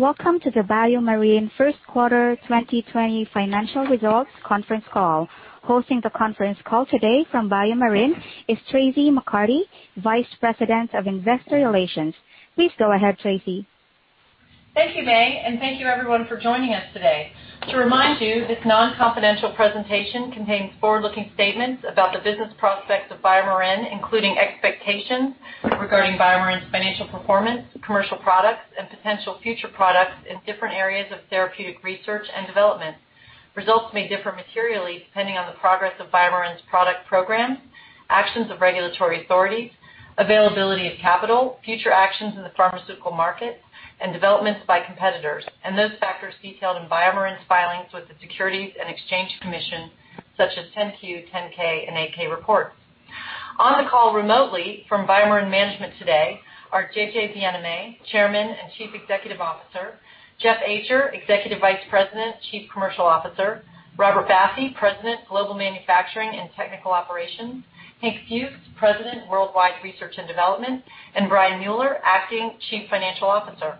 Welcome to the BioMarin First Quarter 2020 Financial Results Conference Call. Hosting the conference call today from BioMarin is Traci McCarty, Vice President of Investor Relations. Please go ahead, Traci. Thank you, Mae, and thank you, everyone, for joining us today. To remind you, this non-confidential presentation contains forward-looking statements about the business prospects of BioMarin, including expectations regarding BioMarin's financial performance, commercial products, and potential future products in different areas of therapeutic research and development. Results may differ materially depending on the progress of BioMarin's product programs, actions of regulatory authorities, availability of capital, future actions in the pharmaceutical markets, and developments by competitors, and those factors detailed in BioMarin's filings with the Securities and Exchange Commission, such as 10-Q, 10-K, and 8-K reports. On the call remotely from BioMarin Management today are J.J. Bienaimé, Chairman and Chief Executive Officer, Jeff Ajer, Executive Vice President, Chief Commercial Officer, Robert Baffi, President, Global Manufacturing and Technical Operations, Hank Fuchs, President, Worldwide Research and Development, and Brian Mueller, Acting Chief Financial Officer.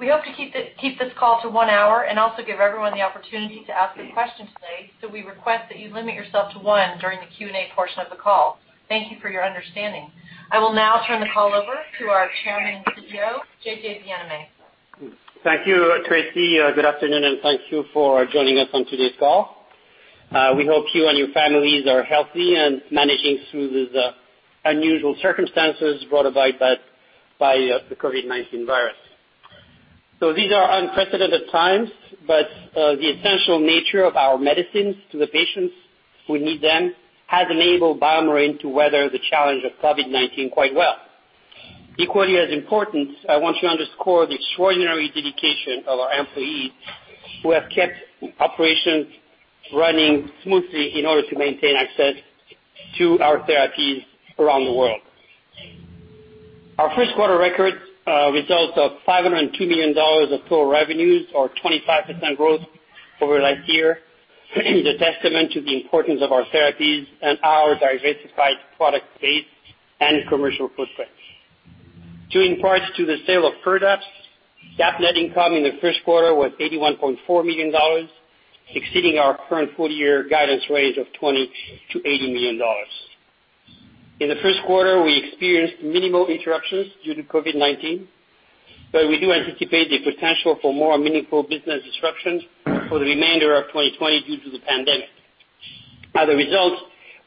We hope to keep this call to one hour and also give everyone the opportunity to ask a question today, so we request that you limit yourself to one during the Q&A portion of the call. Thank you for your understanding. I will now turn the call over to our Chairman and CEO, J.J. Bienaimé. Thank you, Traci. Good afternoon, and thank you for joining us on today's call. We hope you and your families are healthy and managing through these unusual circumstances brought about by the COVID-19 virus. These are unprecedented times, but the essential nature of our medicines to the patients who need them has enabled BioMarin to weather the challenge of COVID-19 quite well. Equally as important, I want to underscore the extraordinary dedication of our employees who have kept operations running smoothly in order to maintain access to our therapies around the world. Our first quarter record results in $502 million of total revenues, or 25% growth over the last year, and is a testament to the importance of our therapies and our diversified product base and commercial footprint. Due in part to the sale of Firdapse, GAAP net income in the first quarter was $81.4 million, exceeding our current full-year guidance range of $20 million-$80 million. In the first quarter, we experienced minimal interruptions due to COVID-19, but we do anticipate the potential for more meaningful business disruptions for the remainder of 2020 due to the pandemic. As a result,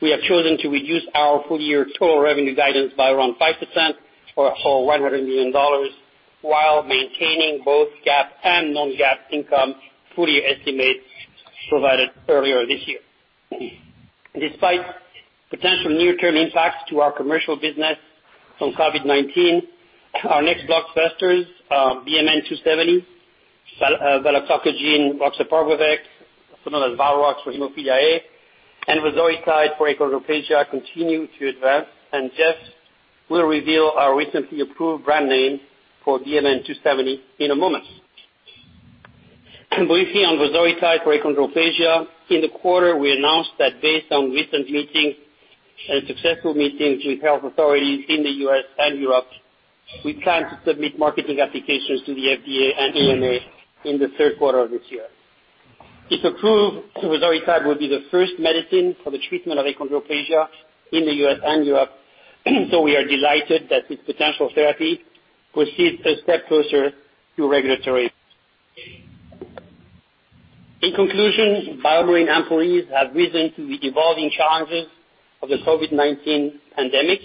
we have chosen to reduce our full-year total revenue guidance by around 5% or $100 million while maintaining both GAAP and non-GAAP income full-year estimates provided earlier this year. Despite potential near-term impacts to our commercial business from COVID-19, our next blockbusters, BMN 270, valoctocogene roxaparvovec, also known as Valrox for hemophilia A, and vosoritide for achondroplasia, continue to advance, and Jeff will reveal our recently approved brand name for BMN 270 in a moment. Briefly on vosoritide for achondroplasia, in the quarter, we announced that based on recent meetings and successful meetings with health authorities in the U.S. and Europe, we plan to submit marketing applications to the FDA and EMA in the third quarter of this year. If approved, vosoritide will be the first medicine for the treatment of achondroplasia in the U.S. and Europe, so we are delighted that this potential therapy proceeds a step closer to regulatory approval. In conclusion, BioMarin employees have risen to the evolving challenges of the COVID-19 pandemic,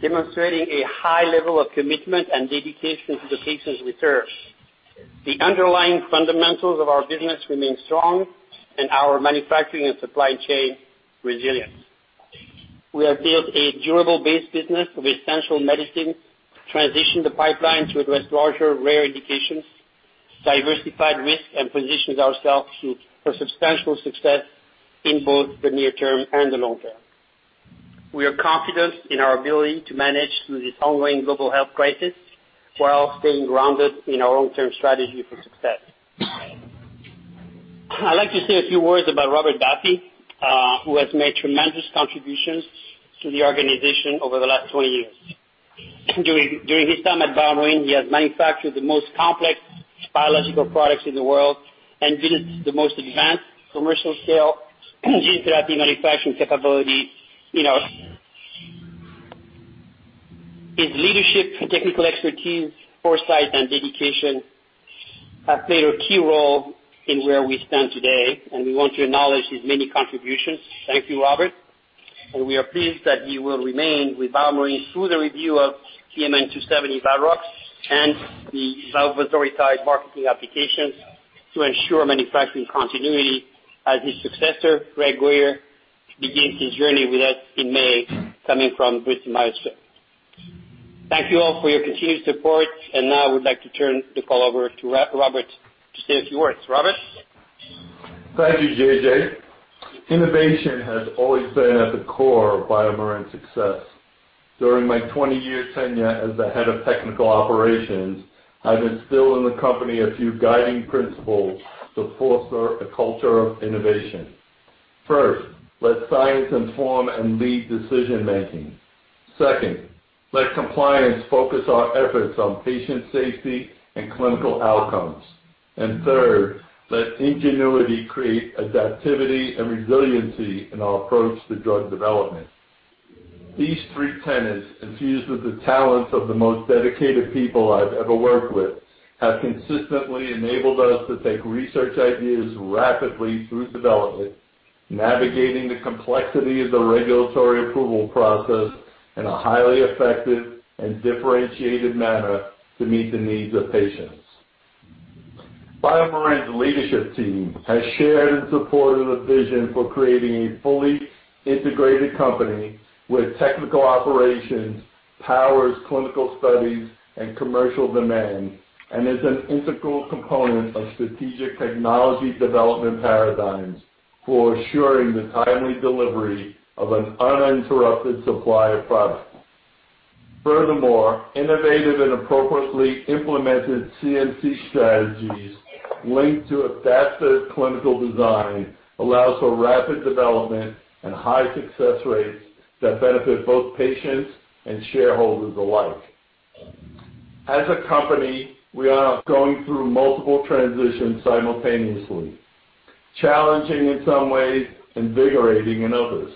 demonstrating a high level of commitment and dedication to the patients we serve. The underlying fundamentals of our business remain strong, and our manufacturing and supply chain resilient. We have built a durable base business of essential medicines, transitioned the pipeline to address larger rare indications, diversified risk, and positioned ourselves for substantial success in both the near term and the long term. We are confident in our ability to manage through this ongoing global health crisis while staying grounded in our long-term strategy for success. I'd like to say a few words about Robert Baffi, who has made tremendous contributions to the organization over the last 20 years. During his time at BioMarin, he has manufactured the most complex biological products in the world and built the most advanced commercial-scale gene therapy manufacturing capabilities in our industry. His leadership, technical expertise, foresight, and dedication have played a key role in where we stand today, and we want to acknowledge his many contributions. Thank you, Robert, and we are pleased that he will remain with BioMarin through the review of BMN 270, Valrox, and the vosoritide marketing applications to ensure manufacturing continuity as his successor, Greg Guyer, begins his journey with us in May, coming from Bristol Myers Squibb. Thank you all for your continued support, and now I would like to turn the call over to Robert to say a few words. Robert? Thank you, J.J. Innovation has always been at the core of BioMarin's success. During my 20-year tenure as the head of technical operations, I've instilled in the company a few guiding principles to foster a culture of innovation. First, let science inform and lead decision-making. Second, let compliance focus our efforts on patient safety and clinical outcomes. And third, let ingenuity create adaptivity and resiliency in our approach to drug development. These three tenets, infused with the talents of the most dedicated people I've ever worked with, have consistently enabled us to take research ideas rapidly through development, navigating the complexity of the regulatory approval process in a highly effective and differentiated manner to meet the needs of patients. BioMarin's leadership team has shared and supported a vision for creating a fully integrated company where technical operations powers clinical studies and commercial demand and is an integral component of strategic technology development paradigms for assuring the timely delivery of an uninterrupted supply of products. Furthermore, innovative and appropriately implemented CMC strategies linked to adaptive clinical design allow for rapid development and high success rates that benefit both patients and shareholders alike. As a company, we are going through multiple transitions simultaneously, challenging in some ways and invigorating in others.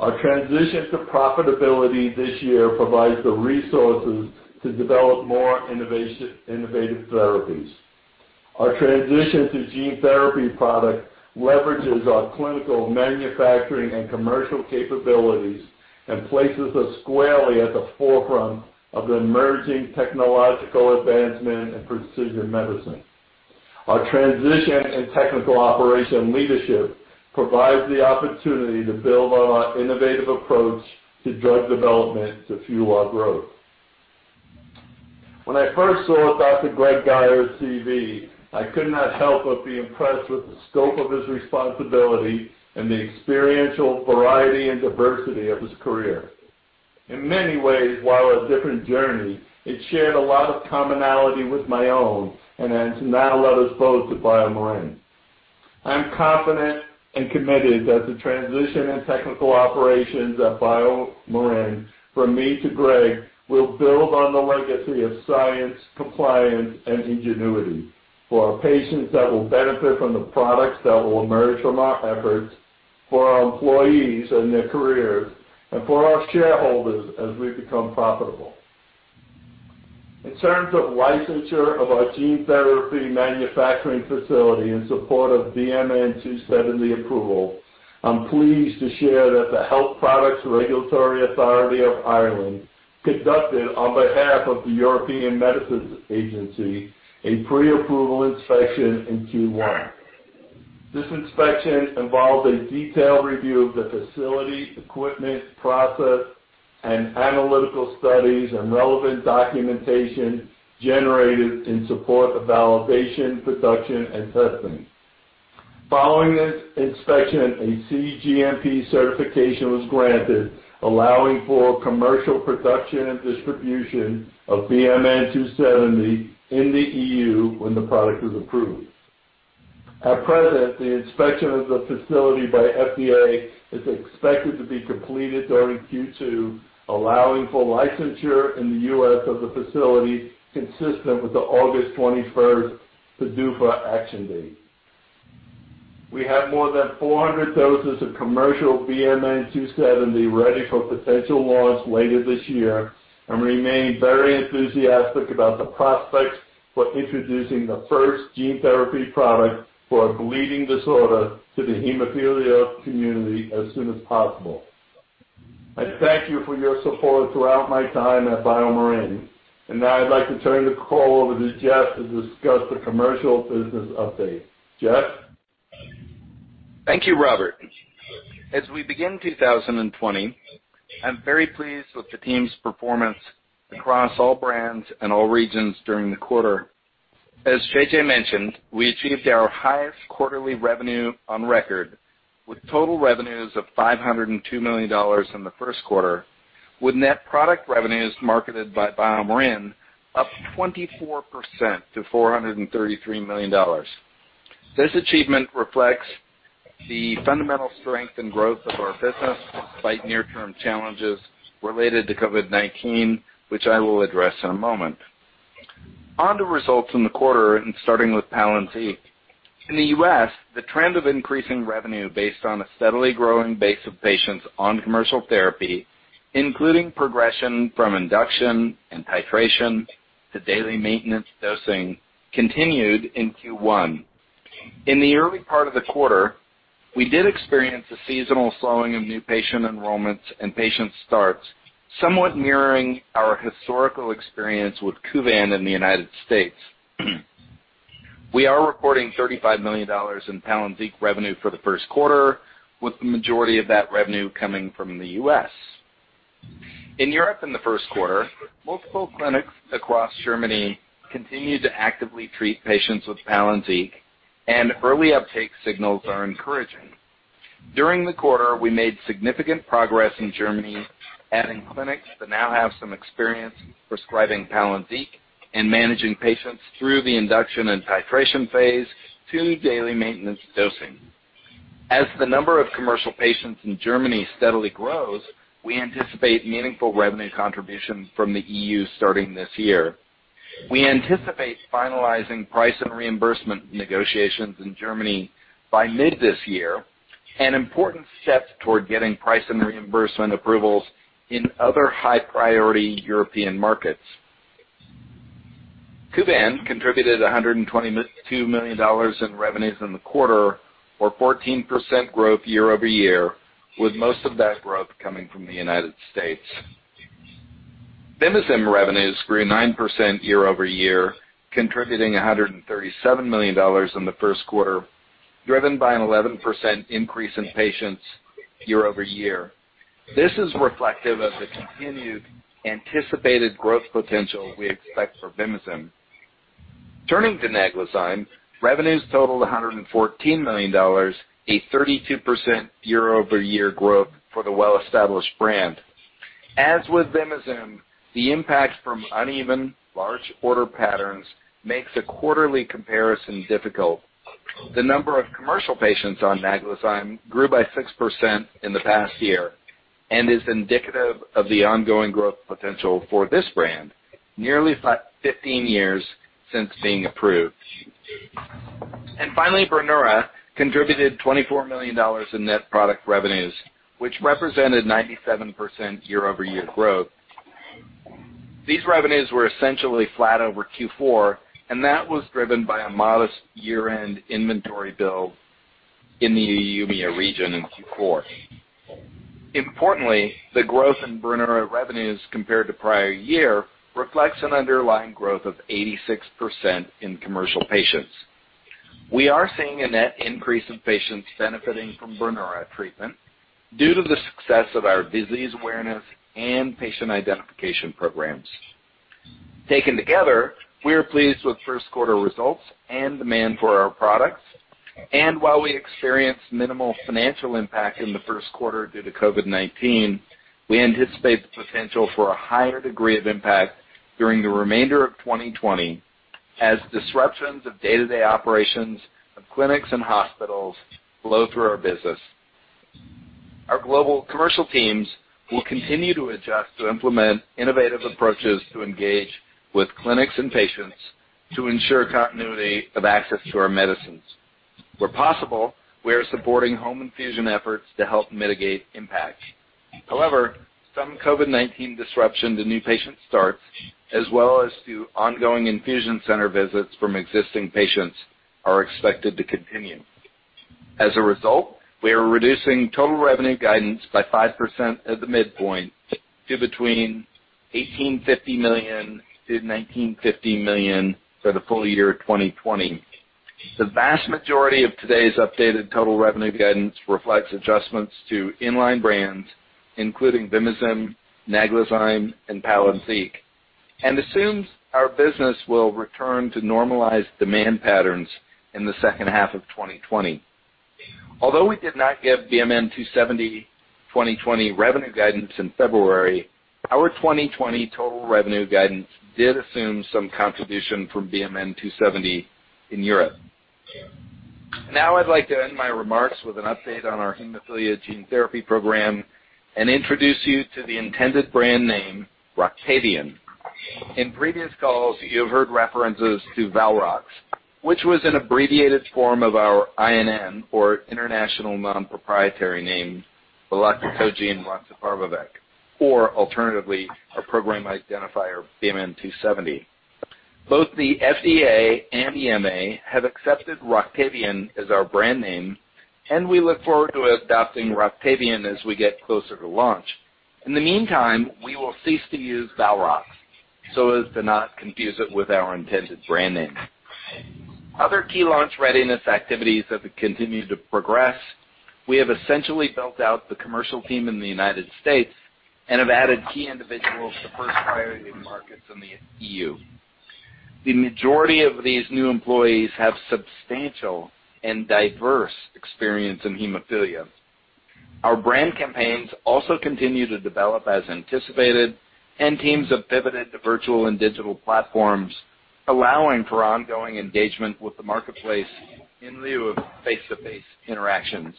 Our transition to profitability this year provides the resources to develop more innovative therapies. Our transition to gene therapy products leverages our clinical, manufacturing, and commercial capabilities and places us squarely at the forefront of the emerging technological advancement in precision medicine. Our transition and technical operations leadership provides the opportunity to build on our innovative approach to drug development to fuel our growth. When I first saw Dr. Greg Guyer's CV, I could not help but be impressed with the scope of his responsibility and the experiential variety and diversity of his career. In many ways, while a different journey, it shared a lot of commonality with my own and has now led us both to BioMarin. I'm confident and committed that the transition and technical operations at BioMarin, from me to Greg, will build on the legacy of science, compliance, and ingenuity for our patients that will benefit from the products that will emerge from our efforts, for our employees and their careers, and for our shareholders as we become profitable. In terms of licensure of our gene therapy manufacturing facility in support of BMN 270 approval, I'm pleased to share that the Health Products Regulatory Authority of Ireland conducted, on behalf of the European Medicines Agency, a pre-approval inspection in Q1. This inspection involved a detailed review of the facility, equipment, process, and analytical studies, and relevant documentation generated in support of validation, production, and testing. Following this inspection, a cGMP certification was granted, allowing for commercial production and distribution of BMN 270 in the EU when the product was approved. At present, the inspection of the facility by FDA is expected to be completed during Q2, allowing for licensure in the U.S. of the facility consistent with the August 21st PDUFA action date. We have more than 400 doses of commercial BMN 270 ready for potential launch later this year and remain very enthusiastic about the prospects for introducing the first gene therapy product for a bleeding disorder to the hemophilia community as soon as possible. I thank you for your support throughout my time at BioMarin, and now I'd like to turn the call over to Jeff to discuss the commercial business update. Jeff? Thank you, Robert. As we begin 2020, I'm very pleased with the team's performance across all brands and all regions during the quarter. As J.J. mentioned, we achieved our highest quarterly revenue on record, with total revenues of $502 million in the first quarter, with net product revenues marketed by BioMarin up 24% to $433 million. This achievement reflects the fundamental strength and growth of our business despite near-term challenges related to COVID-19, which I will address in a moment. On to results in the quarter, and starting with Palynziq, in the U.S., the trend of increasing revenue based on a steadily growing base of patients on commercial therapy, including progression from induction and titration to daily maintenance dosing, continued in Q1. In the early part of the quarter, we did experience a seasonal slowing of new patient enrollments and patient starts, somewhat mirroring our historical experience with Kuvan in the United States. We are reporting $35 million in Palynziq revenue for the first quarter, with the majority of that revenue coming from the U.S. In Europe, in the first quarter, multiple clinics across Germany continued to actively treat patients with Palynziq, and early uptake signals are encouraging. During the quarter, we made significant progress in Germany, adding clinics that now have some experience prescribing Palynziq and managing patients through the induction and titration phase to daily maintenance dosing. As the number of commercial patients in Germany steadily grows, we anticipate meaningful revenue contributions from the EU starting this year. We anticipate finalizing price and reimbursement negotiations in Germany by mid this year and important steps toward getting price and reimbursement approvals in other high-priority European markets. Kuvan contributed $122 million in revenues in the quarter, or 14% growth year-over-year, with most of that growth coming from the United States. Vimizim revenues grew 9% year-over-year, contributing $137 million in the first quarter, driven by an 11% increase in patients year-over-year. This is reflective of the continued anticipated growth potential we expect for Vimizim. Turning to Naglazyme, revenues totaled $114 million, a 32% year-over-year growth for the well-established brand. As with Vimizim, the impact from uneven large-order patterns makes a quarterly comparison difficult. The number of commercial patients on Naglazyme grew by 6% in the past year and is indicative of the ongoing growth potential for this brand, nearly 15 years since being approved. And finally, Brineura contributed $24 million in net product revenues, which represented 97% year-over-year growth. These revenues were essentially flat over Q4, and that was driven by a modest year-end inventory build in the EMEA region in Q4. Importantly, the growth in Brineura revenues compared to prior year reflects an underlying growth of 86% in commercial patients. We are seeing a net increase in patients benefiting from Brineura treatment due to the success of our disease awareness and patient identification programs. Taken together, we are pleased with first quarter results and demand for our products. And while we experienced minimal financial impact in the first quarter due to COVID-19, we anticipate the potential for a higher degree of impact during the remainder of 2020 as disruptions of day-to-day operations of clinics and hospitals flow through our business. Our global commercial teams will continue to adjust to implement innovative approaches to engage with clinics and patients to ensure continuity of access to our medicines. Where possible, we are supporting home infusion efforts to help mitigate impacts. However, some COVID-19 disruption to new patient starts, as well as to ongoing infusion center visits from existing patients, are expected to continue. As a result, we are reducing total revenue guidance by 5% at the midpoint to between $1,850 million-$1,950 million for the full year of 2020. The vast majority of today's updated total revenue guidance reflects adjustments to inline brands, including Vimizim, Naglazyme, and Palynziq, and assumes our business will return to normalized demand patterns in the second half of 2020. Although we did not give BMN 270 2020 revenue guidance in February, our 2020 total revenue guidance did assume some contribution from BMN 270 in Europe. Now I'd like to end my remarks with an update on our hemophilia gene therapy program and introduce you to the intended brand name, Roctavian. In previous calls, you have heard references to Valrox, which was an abbreviated form of our INN, or International Non-Proprietary Name, valoctocogene roxaparvovec, or alternatively, our program identifier, BMN 270. Both the FDA and EMA have accepted Roctavian as our brand name, and we look forward to adopting Roctavian as we get closer to launch. In the meantime, we will cease to use Valrox, so as to not confuse it with our intended brand name. Other key launch readiness activities have continued to progress. We have essentially built out the commercial team in the United States and have added key individuals to first-priority markets in the EU. The majority of these new employees have substantial and diverse experience in hemophilia. Our brand campaigns also continue to develop as anticipated, and teams have pivoted to virtual and digital platforms, allowing for ongoing engagement with the marketplace in lieu of face-to-face interactions.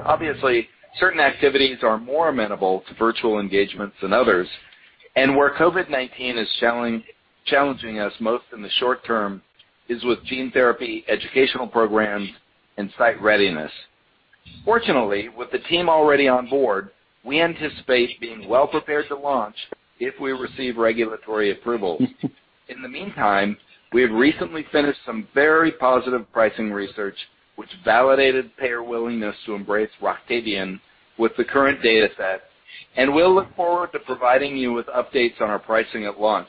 Obviously, certain activities are more amenable to virtual engagements than others, and where COVID-19 is challenging us most in the short term is with gene therapy educational programs and site readiness. Fortunately, with the team already on board, we anticipate being well-prepared to launch if we receive regulatory approval. In the meantime, we have recently finished some very positive pricing research, which validated payer willingness to embrace Roctavian with the current data set, and we'll look forward to providing you with updates on our pricing at launch.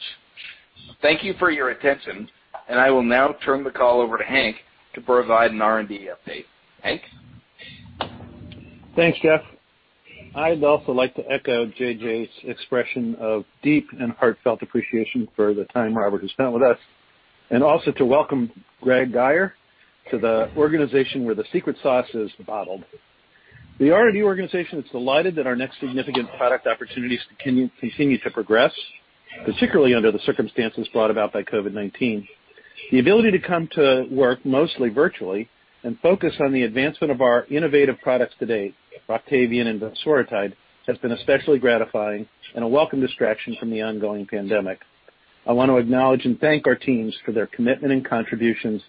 Thank you for your attention, and I will now turn the call over to Hank to provide an R&D update. Hank? Thanks, Jeff. I'd also like to echo J.J.'s expression of deep and heartfelt appreciation for the time Robert has spent with us, and also to welcome Greg Guyer to the organization where the secret sauce is bottled. The R&D organization is delighted that our next significant product opportunities continue to progress, particularly under the circumstances brought about by COVID-19. The ability to come to work mostly virtually and focus on the advancement of our innovative products to date, Roctavian and vosoritide, has been especially gratifying and a welcome distraction from the ongoing pandemic. I want to acknowledge and thank our teams for their commitment and contributions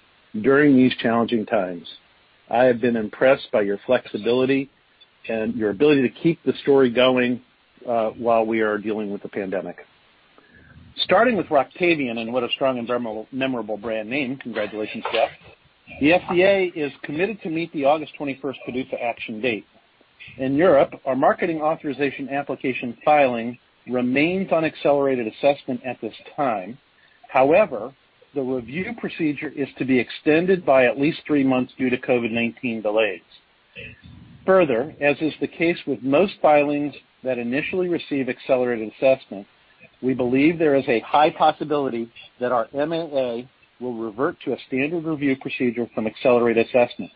during these challenging times. I have been impressed by your flexibility and your ability to keep the story going while we are dealing with the pandemic. Starting with Roctavian and what a strong and memorable brand name, congratulations, Jeff. The FDA is committed to meet the August 21st PDUFA action date. In Europe, our marketing authorization application filing remains on accelerated assessment at this time. However, the review procedure is to be extended by at least three months due to COVID-19 delays. Further, as is the case with most filings that initially receive accelerated assessment, we believe there is a high possibility that our MAA will revert to a standard review procedure from accelerated assessment.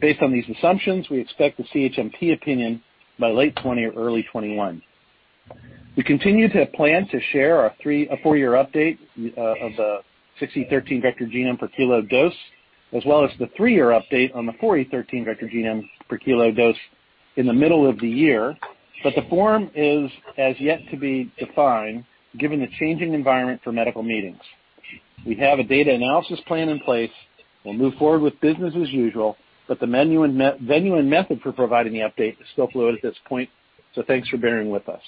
Based on these assumptions, we expect the CHMP opinion by late 2020 or early 2021. We continue to plan to share a four-year update of the 6e13 vg per kilo dose, as well as the three-year update on the 4e13 vg per kilo dose in the middle of the year, but the form is as yet to be defined given the changing environment for medical meetings. We have a data analysis plan in place. We'll move forward with business as usual, but the venue and method for providing the update is still fluid at this point, so thanks for bearing with us.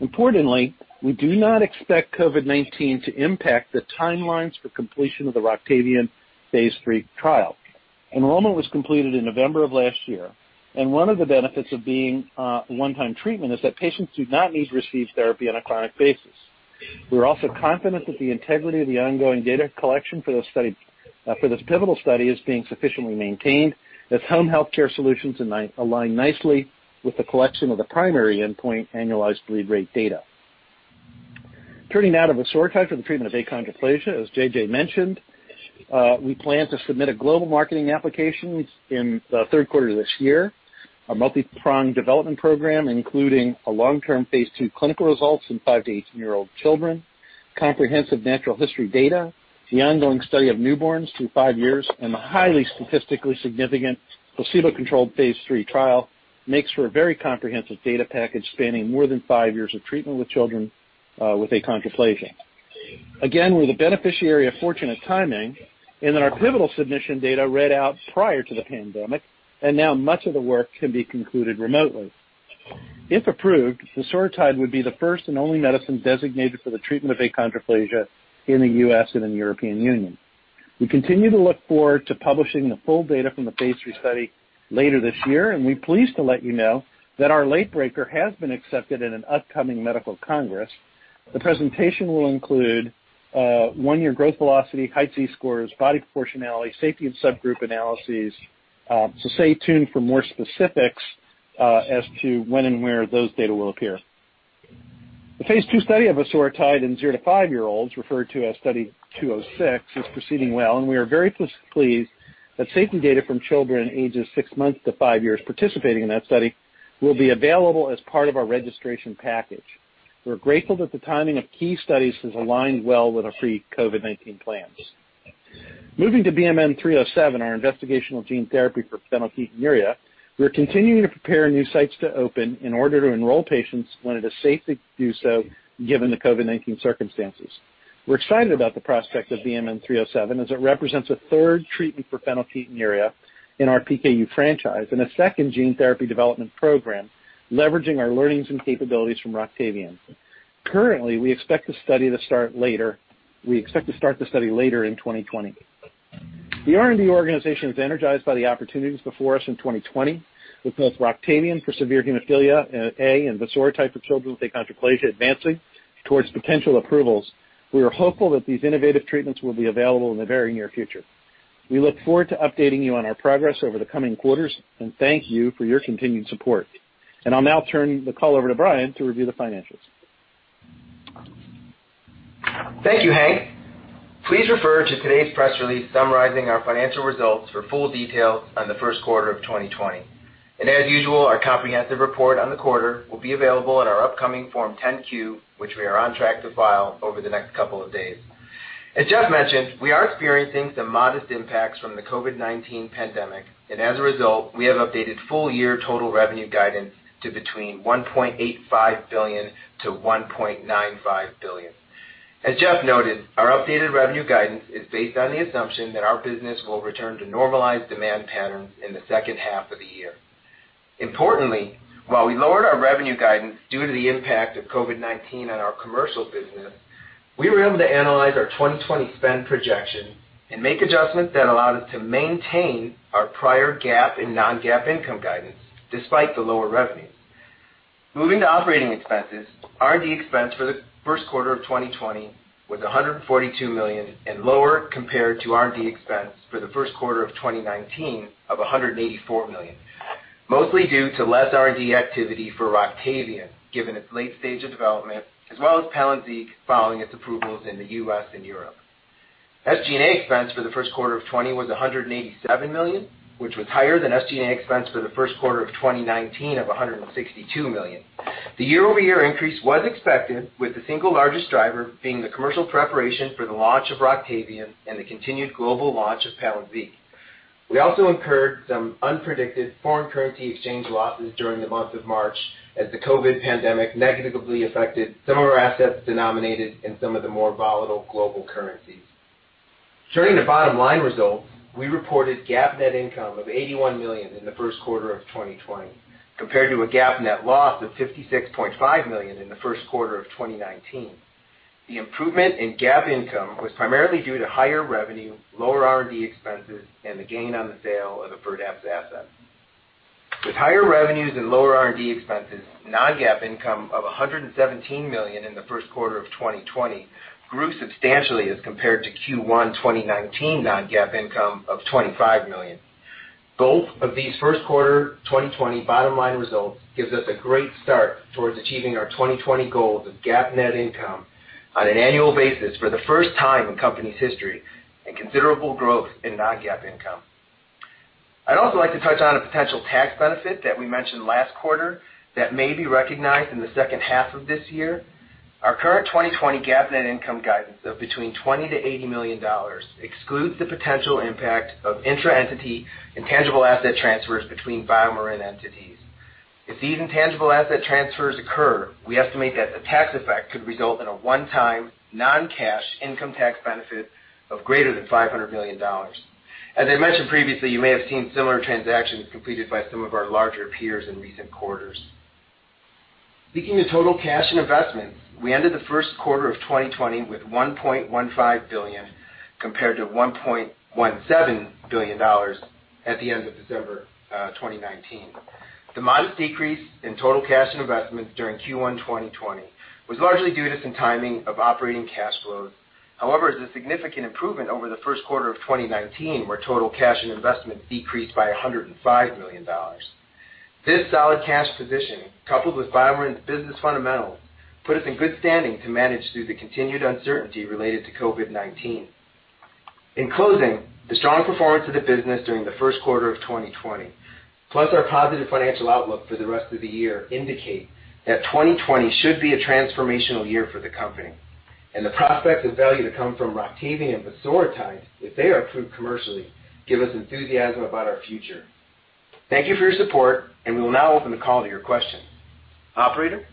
Importantly, we do not expect COVID-19 to impact the timelines for completion of the Roctavian phase III trial. Enrollment was completed in November of last year, and one of the benefits of being a one-time treatment is that patients do not need to receive therapy on a chronic basis. We're also confident that the integrity of the ongoing data collection for this pivotal study is being sufficiently maintained, as home healthcare solutions align nicely with the collection of the primary endpoint annualized bleed rate data. Turning now to vosoritide for the treatment of achondroplasia, as J.J. mentioned, we plan to submit a global marketing application in the third quarter of this year, a multi-pronged development program including a long-term phase II clinical results in five to 18-year-old children, comprehensive natural history data, the ongoing study of newborns through five years, and the highly statistically significant placebo-controlled phase III trial makes for a very comprehensive data package spanning more than five years of treatment with children with achondroplasia. Again, we're the beneficiary of fortunate timing in that our pivotal submission data read out prior to the pandemic, and now much of the work can be concluded remotely. If approved, vosoritide would be the first and only medicine designated for the treatment of achondroplasia in the U.S. and in the European Union. We continue to look forward to publishing the full data from the phase III study later this year, and we're pleased to let you know that our late breaker has been accepted in an upcoming medical congress. The presentation will include one-year growth velocity, height Z-scores, body proportionality, safety of subgroup analyses, so stay tuned for more specifics as to when and where those data will appear. The phase II study of vosoritide in zero to five-year-olds, referred to as Study 206, is proceeding well, and we are very pleased that safety data from children ages six months to five years participating in that study will be available as part of our registration package. We're grateful that the timing of key studies has aligned well with our pre-COVID-19 plans. Moving to BMN 307, our investigational gene therapy for phenylketonuria, we're continuing to prepare new sites to open in order to enroll patients when it is safe to do so given the COVID-19 circumstances. We're excited about the prospect of BMN 307 as it represents a third treatment for phenylketonuria in our PKU franchise and a second gene therapy development program leveraging our learnings and capabilities from Roctavian. Currently, we expect the study to start later. We expect to start the study later in 2020. The R&D organization is energized by the opportunities before us in 2020, with both Roctavian for severe hemophilia and vosoritide for children with achondroplasia advancing towards potential approvals. We are hopeful that these innovative treatments will be available in the very near future. We look forward to updating you on our progress over the coming quarters, and thank you for your continued support. I'll now turn the call over to Brian to review the financials. Thank you, Hank. Please refer to today's press release summarizing our financial results for full details on the first quarter of 2020. As usual, our comprehensive report on the quarter will be available in our upcoming Form 10-Q, which we are on track to file over the next couple of days. As Jeff mentioned, we are experiencing some modest impacts from the COVID-19 pandemic, and as a result, we have updated full-year total revenue guidance to between $1.85 billion-$1.95 billion. As Jeff noted, our updated revenue guidance is based on the assumption that our business will return to normalized demand patterns in the second half of the year. Importantly, while we lowered our revenue guidance due to the impact of COVID-19 on our commercial business, we were able to analyze our 2020 spend projection and make adjustments that allowed us to maintain our prior GAAP and non-GAAP income guidance despite the lower revenues. Moving to operating expenses, R&D expense for the first quarter of 2020 was $142 million and lower compared to R&D expense for the first quarter of 2019 of $184 million, mostly due to less R&D activity for Roctavian given its late stage of development, as well as Palynziq following its approvals in the U.S. and Europe. SG&A expense for the first quarter of 2020 was $187 million, which was higher than SG&A expense for the first quarter of 2019 of $162 million. The year-over-year increase was expected, with the single largest driver being the commercial preparation for the launch of Roctavian and the continued global launch of Palynziq. We also incurred some unpredicted foreign currency exchange losses during the month of March as the COVID pandemic negatively affected some of our assets denominated in some of the more volatile global currencies. Turning to bottom-line results, we reported GAAP net income of $81 million in the first quarter of 2020 compared to a GAAP net loss of $56.5 million in the first quarter of 2019. The improvement in GAAP income was primarily due to higher revenue, lower R&D expenses, and the gain on the sale of the Firdapse asset. With higher revenues and lower R&D expenses, non-GAAP income of $117 million in the first quarter of 2020 grew substantially as compared to Q1 2019 non-GAAP income of $25 million. Both of these first quarter 2020 bottom-line results give us a great start towards achieving our 2020 goals of GAAP net income on an annual basis for the first time in the company's history and considerable growth in non-GAAP income. I'd also like to touch on a potential tax benefit that we mentioned last quarter that may be recognized in the second half of this year. Our current 2020 GAAP net income guidance of between $20 million-$80 million excludes the potential impact of intra-entity intangible asset transfers between BioMarin entities. If these intangible asset transfers occur, we estimate that the tax effect could result in a one-time non-cash income tax benefit of greater than $500 million. As I mentioned previously, you may have seen similar transactions completed by some of our larger peers in recent quarters. Speaking of total cash and investments, we ended the first quarter of 2020 with $1.15 billion compared to $1.17 billion at the end of December 2019. The modest decrease in total cash and investments during Q1 2020 was largely due to some timing of operating cash flows. However, it's a significant improvement over the first quarter of 2019 where total cash and investments decreased by $105 million. This solid cash position, coupled with BioMarin's business fundamentals, put us in good standing to manage through the continued uncertainty related to COVID-19. In closing, the strong performance of the business during the first quarter of 2020, plus our positive financial outlook for the rest of the year, indicate that 2020 should be a transformational year for the company, and the prospects of value to come from Roctavian and vosoritide, if they are approved commercially, give us enthusiasm about our future. Thank you for your support, and we will now open the call to your questions. Operator?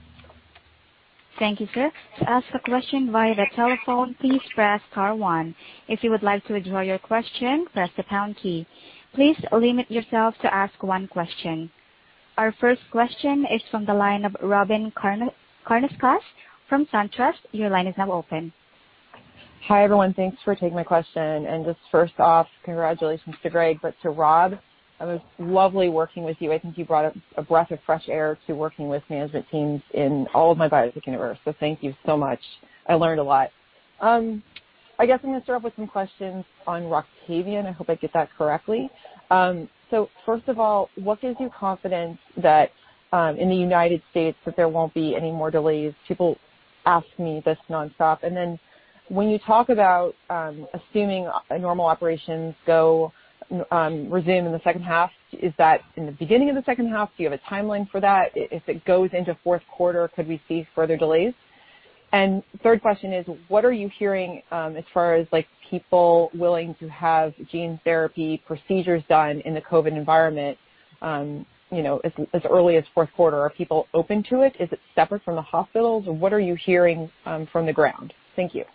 Thank you, Sir. To ask a question via the telephone, please press star one. If you would like to withdraw your question, press the pound key. Please limit yourself to ask one question. Our first question is from the line of Robyn Karnauskas from Truist. Your line is now open. Hi everyone, thanks for taking my question. And just first off, congratulations to Greg, but to Rob. It was lovely working with you. I think you brought a breath of fresh air to working with management teams in all of my biotech universe, so thank you so much. I learned a lot. I guess I'm going to start off with some questions on Roctavian. I hope I get that correctly. So first of all, what gives you confidence that in the United States that there won't be any more delays? People ask me this nonstop. And then when you talk about assuming normal operations resume in the second half, is that in the beginning of the second half? Do you have a timeline for that? If it goes into fourth quarter, could we see further delays? And third question is, what are you hearing as far as people willing to have gene therapy procedures done in the COVID environment as early as fourth quarter? Are people open to it? Is it separate from the hospitals? What are you hearing from the ground? Thank you.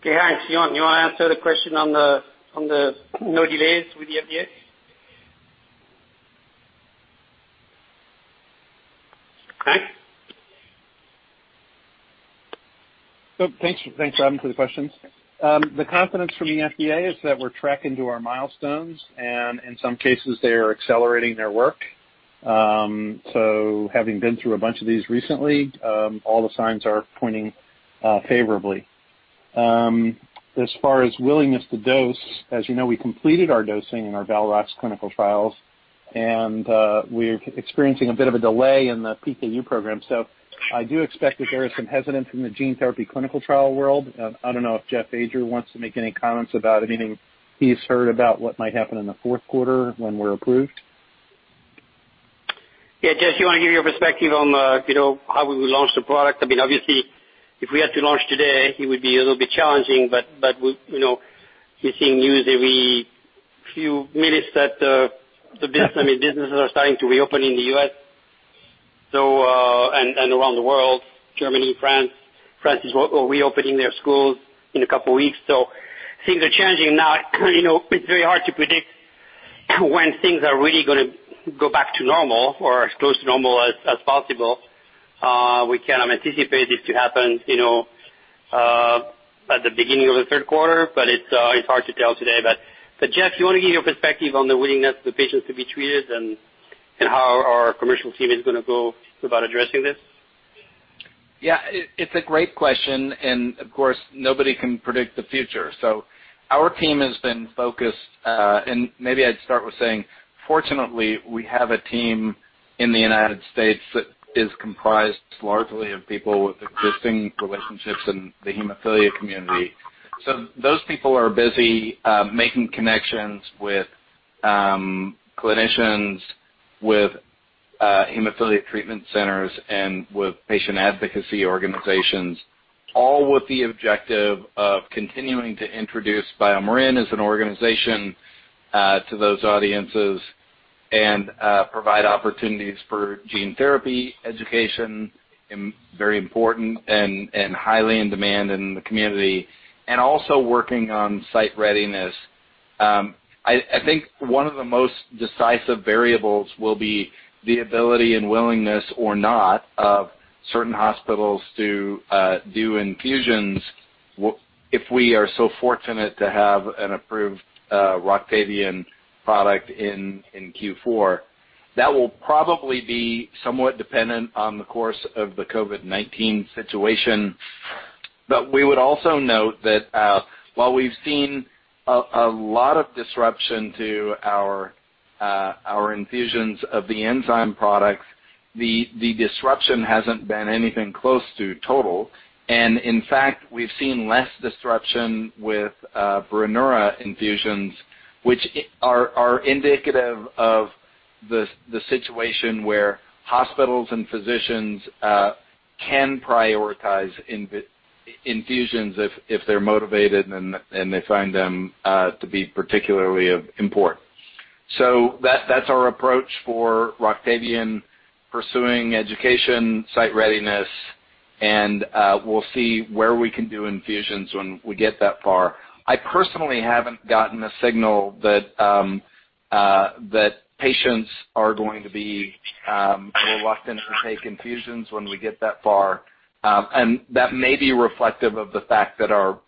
Okay, hi. Do you want to answer the question on the no delays with the FDA? Hank? Thanks for adding to the questions. The confidence from the FDA is that we're tracking to our milestones, and in some cases, they are accelerating their work, so having been through a bunch of these recently, all the signs are pointing favorably. As far as willingness to dose, as you know, we completed our dosing in our Valrox clinical trials, and we're experiencing a bit of a delay in the PKU program, so I do expect that there is some hesitance in the gene therapy clinical trial world. I don't know if Jeff Ajer wants to make any comments about anything he's heard about what might happen in the fourth quarter when we're approved. Yeah, Jeff, do you want to give your perspective on how we will launch the product? I mean, obviously, if we had to launch today, it would be a little bit challenging, but you're seeing news every few minutes that the businesses are starting to reopen in the U.S. and around the world. Germany, France, France is reopening their schools in a couple of weeks. So things are changing now. It's very hard to predict when things are really going to go back to normal or as close to normal as possible. We can anticipate this to happen at the beginning of the third quarter, but it's hard to tell today. But Jeff, do you want to give your perspective on the willingness of the patients to be treated and how our commercial team is going to go about addressing this? Yeah, it's a great question, and of course, nobody can predict the future. So our team has been focused, and maybe I'd start with saying, fortunately, we have a team in the United States that is comprised largely of people with existing relationships in the hemophilia community. So those people are busy making connections with clinicians, with hemophilia treatment centers, and with patient advocacy organizations, all with the objective of continuing to introduce BioMarin as an organization to those audiences and provide opportunities for gene therapy education. Very important and highly in demand in the community, and also working on site readiness. I think one of the most decisive variables will be the ability and willingness or not of certain hospitals to do infusions if we are so fortunate to have an approved Roctavian product in Q4. That will probably be somewhat dependent on the course of the COVID-19 situation. But we would also note that while we've seen a lot of disruption to our infusions of the enzyme products, the disruption hasn't been anything close to total. And in fact, we've seen less disruption with Brineura infusions, which are indicative of the situation where hospitals and physicians can prioritize infusions if they're motivated and they find them to be particularly important. So that's our approach for Roctavian, pursuing education, site readiness, and we'll see where we can do infusions when we get that far. I personally haven't gotten a signal that patients are going to be reluctant to take infusions when we get that far, and that may be reflective of the fact that our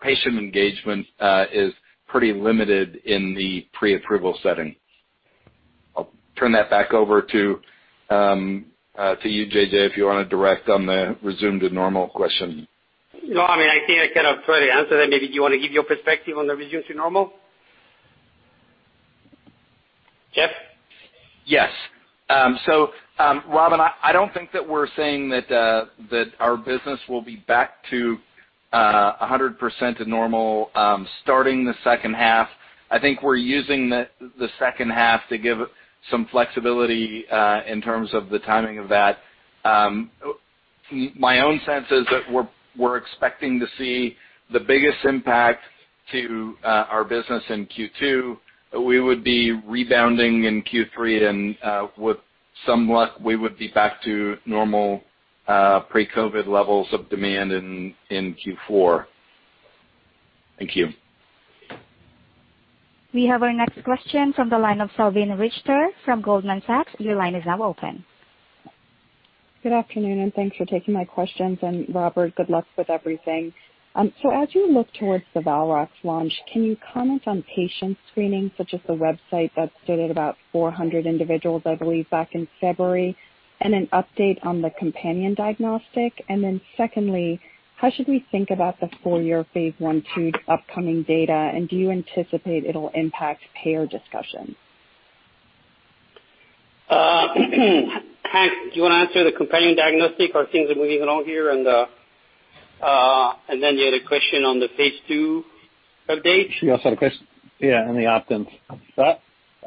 patient engagement is pretty limited in the pre-approval setting. I'll turn that back over to you, J.J., if you want to direct on the return to normal question. No, I mean, I think I kind of tried to answer that. Maybe do you want to give your perspective on the return to normal? Jeff? Yes. So Robyn, I don't think that we're saying that our business will be back to 100% to normal starting the second half. I think we're using the second half to give some flexibility in terms of the timing of that. My own sense is that we're expecting to see the biggest impact to our business in Q2. We would be rebounding in Q3, and with some luck, we would be back to normal pre-COVID levels of demand in Q4. Thank you. We have our next question from the line of Salveen Richter from Goldman Sachs. Your line is now open. Good afternoon, and thanks for taking my questions. Robert, good luck with everything. As you look towards the Valrox launch, can you comment on patient screening such as the website that stated about 400 individuals, I believe, back in February, and an update on the companion diagnostic? Then, secondly, how should we think about the four-year phase I, II upcoming data, and do you anticipate it'll impact payer discussion? Hank, do you want to answer the companion diagnostic or things are moving along here, and then you had a question on the phase II update. Yeah, sorry, yeah, and the opt-ins.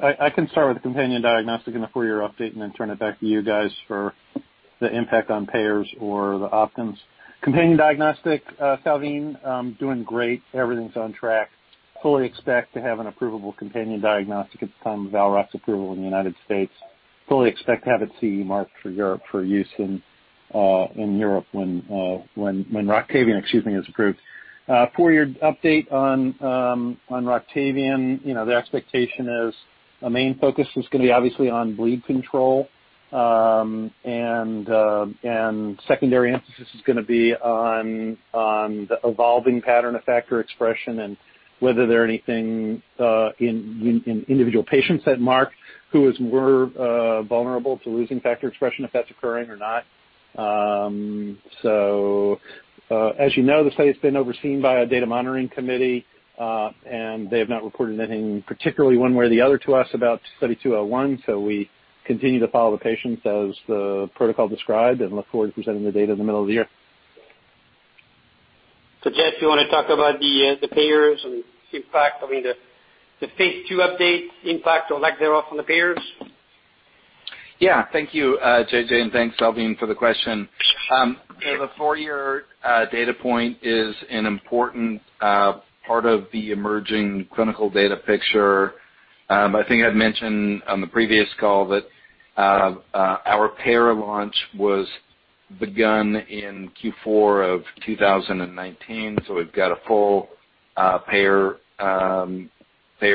I can start with the companion diagnostic and the four-year update and then turn it back to you guys for the impact on payers or the opt-ins. Companion diagnostic, Salveen, doing great. Everything's on track. Fully expect to have an approvable companion diagnostic at the time of Valrox approval in the United States. Fully expect to have it CE mark for use in Europe when Roctavian is approved. Four-year update on Roctavian, the expectation is a main focus is going to be obviously on bleed control, and secondary emphasis is going to be on the evolving pattern of factor expression and whether there are anything in individual patients that mark who is more vulnerable to losing factor expression if that's occurring or not. So as you know, the study has been overseen by a data monitoring committee, and they have not reported anything particularly one way or the other to us about Study 201. So we continue to follow the patients as the protocol described and look forward to presenting the data in the middle of the year. So Jeff, do you want to talk about the payers and the impact? I mean, the phase II update, impact or lack thereof on the payers? Yeah, thank you, J.J., and thanks, Salveen, for the question. The four-year data point is an important part of the emerging clinical data picture. I think I've mentioned on the previous call that our payer launch was begun in Q4 of 2019. So we've got a full payer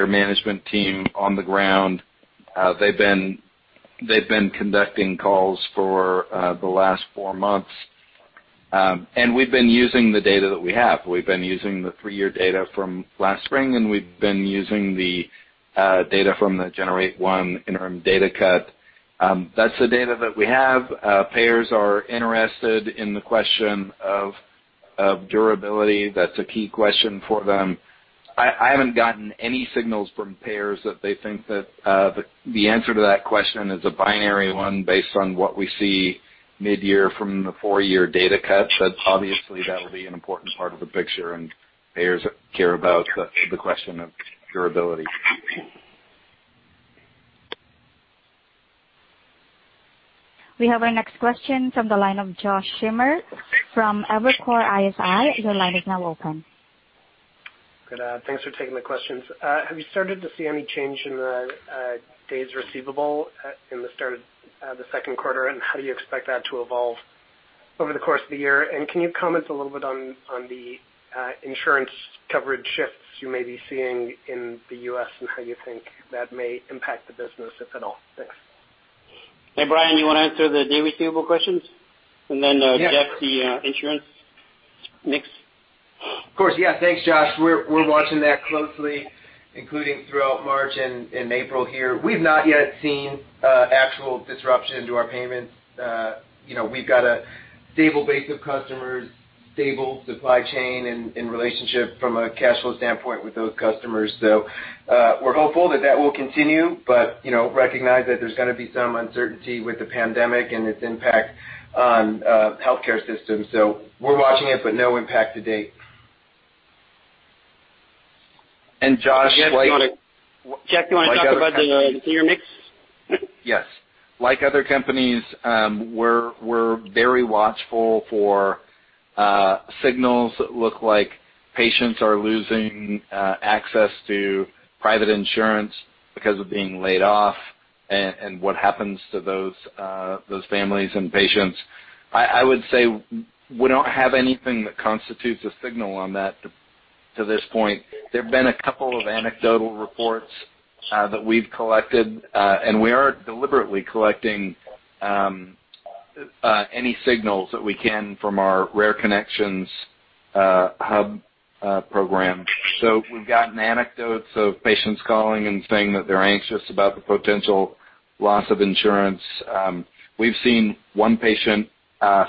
management team on the ground. They've been conducting calls for the last four months, and we've been using the data that we have. We've been using the three-year data from last spring, and we've been using the data from the January 1st interim data cut. That's the data that we have. Payers are interested in the question of durability. That's a key question for them. I haven't gotten any signals from payers that they think that the answer to that question is a binary one based on what we see mid-year from the four-year data cut. But obviously, that will be an important part of the picture, and payers care about the question of durability. We have our next question from the line of Josh Schimmer from Evercore ISI. Your line is now open. Good. Thanks for taking the questions. Have you started to see any change in the days receivable in the start of the second quarter, and how do you expect that to evolve over the course of the year? And can you comment a little bit on the insurance coverage shifts you may be seeing in the U.S. and how you think that may impact the business, if at all? Thanks. Hey, Brian, do you want to answer the DSO receivable questions? And then Jeff, the insurance mix. Of course. Yeah, thanks, Josh. We're watching that closely, including throughout March and April here. We've not yet seen actual disruption to our payments. We've got a stable base of customers, stable supply chain and relationship from a cash flow standpoint with those customers. So we're hopeful that that will continue, but recognize that there's going to be some uncertainty with the pandemic and its impact on healthcare systems. So we're watching it, but no impact to date. Josh, like. Jeff, do you want to talk about the three-year mix? Yes. Like other companies, we're very watchful for signals that look like patients are losing access to private insurance because of being laid off and what happens to those families and patients. I would say we don't have anything that constitutes a signal on that to this point. There have been a couple of anecdotal reports that we've collected, and we are deliberately collecting any signals that we can from our RareConnections hub program. So we've gotten anecdotes of patients calling and saying that they're anxious about the potential loss of insurance. We've seen one patient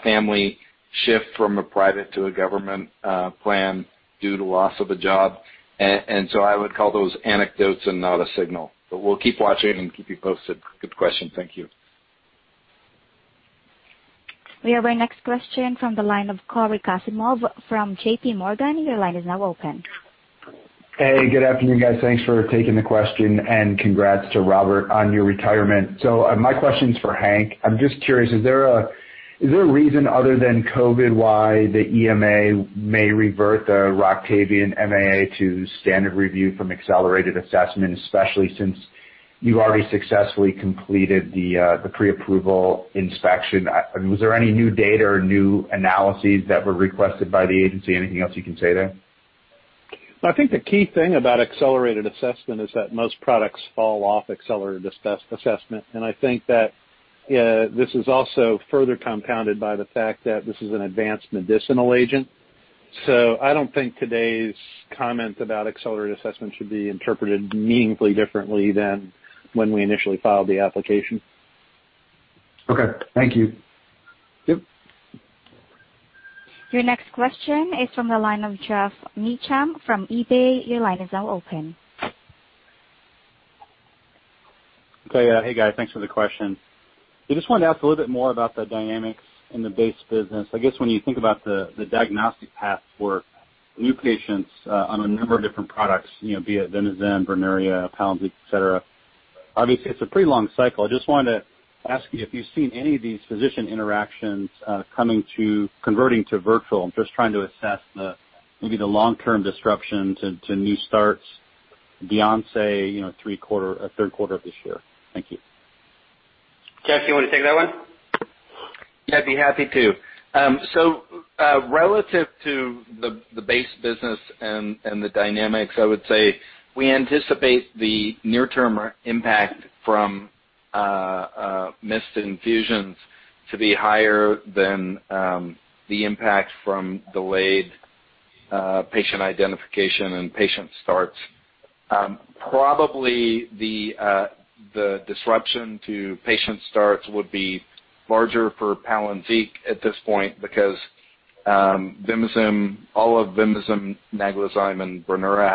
family shift from a private to a government plan due to loss of a job. And so I would call those anecdotes and not a signal. But we'll keep watching and keep you posted. Good question. Thank you. We have our next question from the line of Cory Kasimov from JPMorgan. Your line is now open. Hey, good afternoon, guys. Thanks for taking the question, and congrats to Robert on your retirement. So my question's for Hank. I'm just curious, is there a reason other than COVID why the EMA may revert the Roctavian MAA to standard review from accelerated assessment, especially since you've already successfully completed the pre-approval inspection? I mean, was there any new data or new analyses that were requested by the agency? Anything else you can say there? I think the key thing about accelerated assessment is that most products fall off accelerated assessment. And I think that this is also further compounded by the fact that this is an advanced medicinal agent. So I don't think today's comment about accelerated assessment should be interpreted meaningfully differently than when we initially filed the application. Okay. Thank you. Yep. Your next question is from the line of Geoff Meacham from Bank of America Merrill Lynch. Your line is now open. Okay. Hey, guys. Thanks for the question. I just wanted to ask a little bit more about the dynamics in the base business. I guess when you think about the diagnostic path for new patients on a number of different products, be it Vimizim, Brineura, Palynziq, etc., obviously it's a pretty long cycle. I just wanted to ask you if you've seen any of these physician interactions coming to converting to virtual. I'm just trying to assess maybe the long-term disruption to new starts beyond, say, a third quarter of this year. Thank you. Jeff, do you want to take that one? Yeah, I'd be happy to. Relative to the base business and the dynamics, I would say we anticipate the near-term impact from missed infusions to be higher than the impact from delayed patient identification and patient starts. Probably the disruption to patient starts would be larger for Palynziq at this point because all of Vimizim, Naglazyme, and Brineura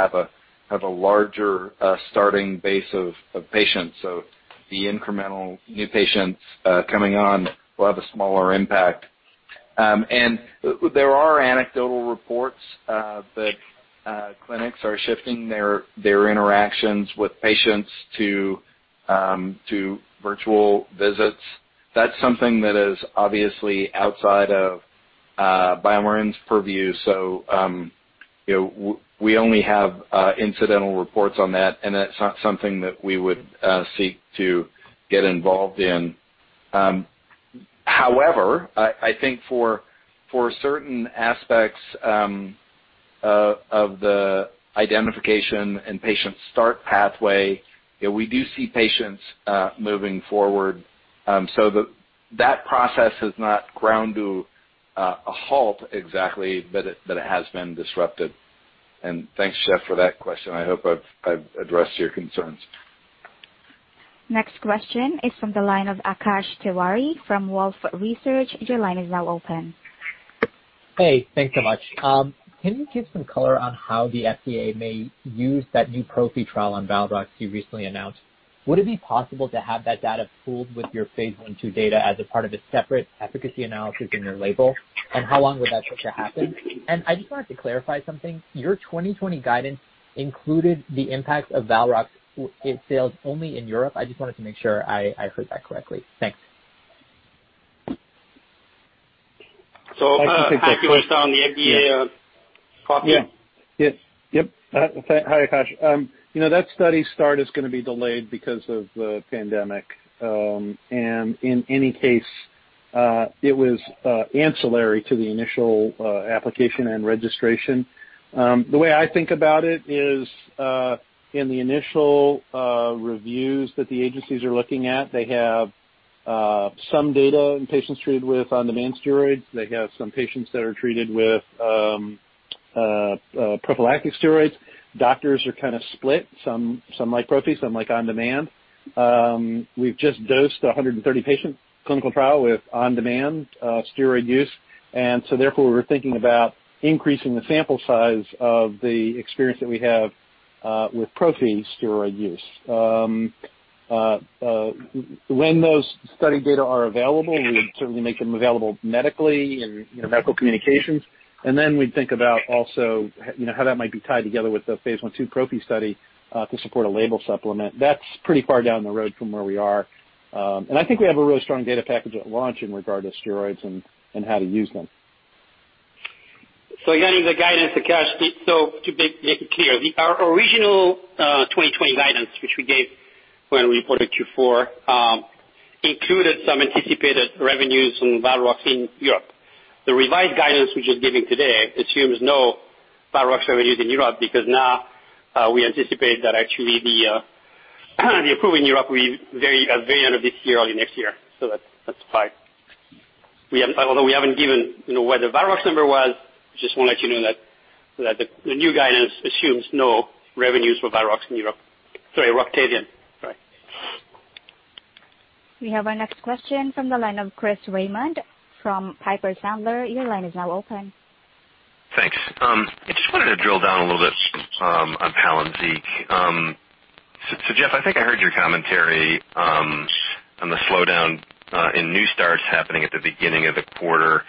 have a larger starting base of patients. The incremental new patients coming on will have a smaller impact. And there are anecdotal reports that clinics are shifting their interactions with patients to virtual visits. That's something that is obviously outside of BioMarin's purview. We only have incidental reports on that, and that's not something that we would seek to get involved in. However, I think for certain aspects of the identification and patient start pathway, we do see patients moving forward. So that process has not ground to a halt exactly, but it has been disrupted. And thanks, Geoff, for that question. I hope I've addressed your concerns. Next question is from the line of Akash Tewari from Wolfe Research. Your line is now open. Hey, thanks so much. Can you give some color on how the FDA may use that new prophy trial on Valrox you recently announced? Would it be possible to have that data pooled with your phase I, II data as a part of a separate efficacy analysis in your label? And how long would that take to happen? And I just wanted to clarify something. Your 2020 guidance included the impact of Valrox sales only in Europe. I just wanted to make sure I heard that correctly. Thanks. I can take that question. Hank, you want to start on the FDA part? Yes. Yes. Yep. Hi, Akash. That study start is going to be delayed because of the pandemic. And in any case, it was ancillary to the initial application and registration. The way I think about it is in the initial reviews that the agencies are looking at, they have some data in patients treated with on-demand steroids. They have some patients that are treated with prophylactic steroids. Doctors are kind of split. Some like prophy, some like on-demand. We've just dosed 130 patients in clinical trial with on-demand steroid use. And so therefore, we're thinking about increasing the sample size of the experience that we have with prophy steroid use. When those study data are available, we would certainly make them available medically and medical communications. Then we'd think about also how that might be tied together with the phase I, II prophy study to support a label supplement. That's pretty far down the road from where we are. I think we have a really strong data package at launch in regard to steroids and how to use them. So again, the guidance, Akash, so to make it clear, our original 2020 guidance, which we gave when we reported Q4, included some anticipated revenues on Valrox in Europe. The revised guidance we're just giving today assumes no Valrox revenues in Europe because now we anticipate that actually the approval in Europe will be at the very end of this year, early next year. So that's fine. Although we haven't given what the Valrox number was, I just want to let you know that the new guidance assumes no revenues for Valrox in Europe. Sorry, Roctavian. Sorry. We have our next question from the line of Chris Raymond from Piper Sandler. Your line is now open. Thanks. I just wanted to drill down a little bit on Palynziq. So Jeff, I think I heard your commentary on the slowdown in new starts happening at the beginning of the quarter.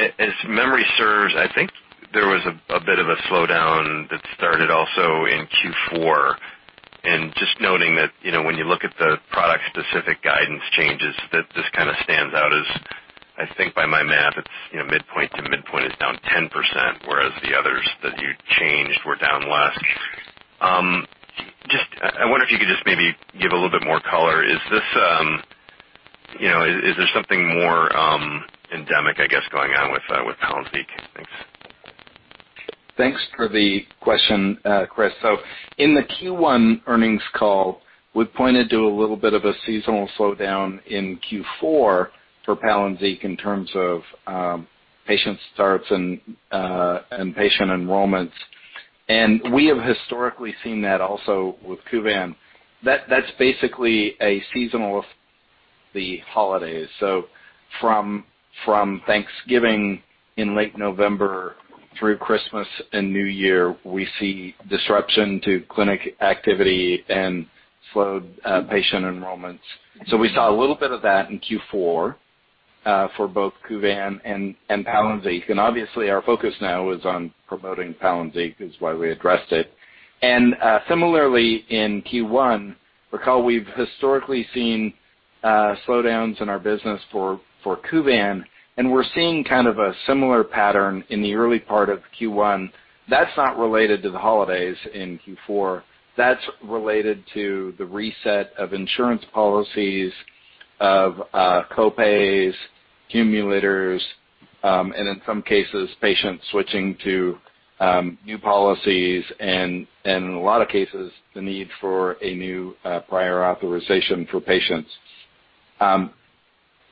As memory serves, I think there was a bit of a slowdown that started also in Q4, and just noting that when you look at the product-specific guidance changes, that this kind of stands out as I think by my math, midpoint to midpoint is down 10%, whereas the others that you changed were down less. I wonder if you could just maybe give a little bit more color. Is there something more endemic, I guess, going on with Palynziq? Thanks. Thanks for the question, Chris, so in the Q1 earnings call, we pointed to a little bit of a seasonal slowdown in Q4 for Palynziq in terms of patient starts and patient enrollments, and we have historically seen that also with Kuvan. That's basically a seasonal, the holidays, so from Thanksgiving in late November through Christmas and New Year, we see disruption to clinic activity and slowed patient enrollments, so we saw a little bit of that in Q4 for both Kuvan and Palynziq, and obviously, our focus now is on promoting Palynziq is why we addressed it, and similarly, in Q1, recall we've historically seen slowdowns in our business for Kuvan, and we're seeing kind of a similar pattern in the early part of Q1. That's not related to the holidays in Q4. That's related to the reset of insurance policies, of copays, accumulators, and in some cases, patients switching to new policies, and in a lot of cases, the need for a new prior authorization for patients.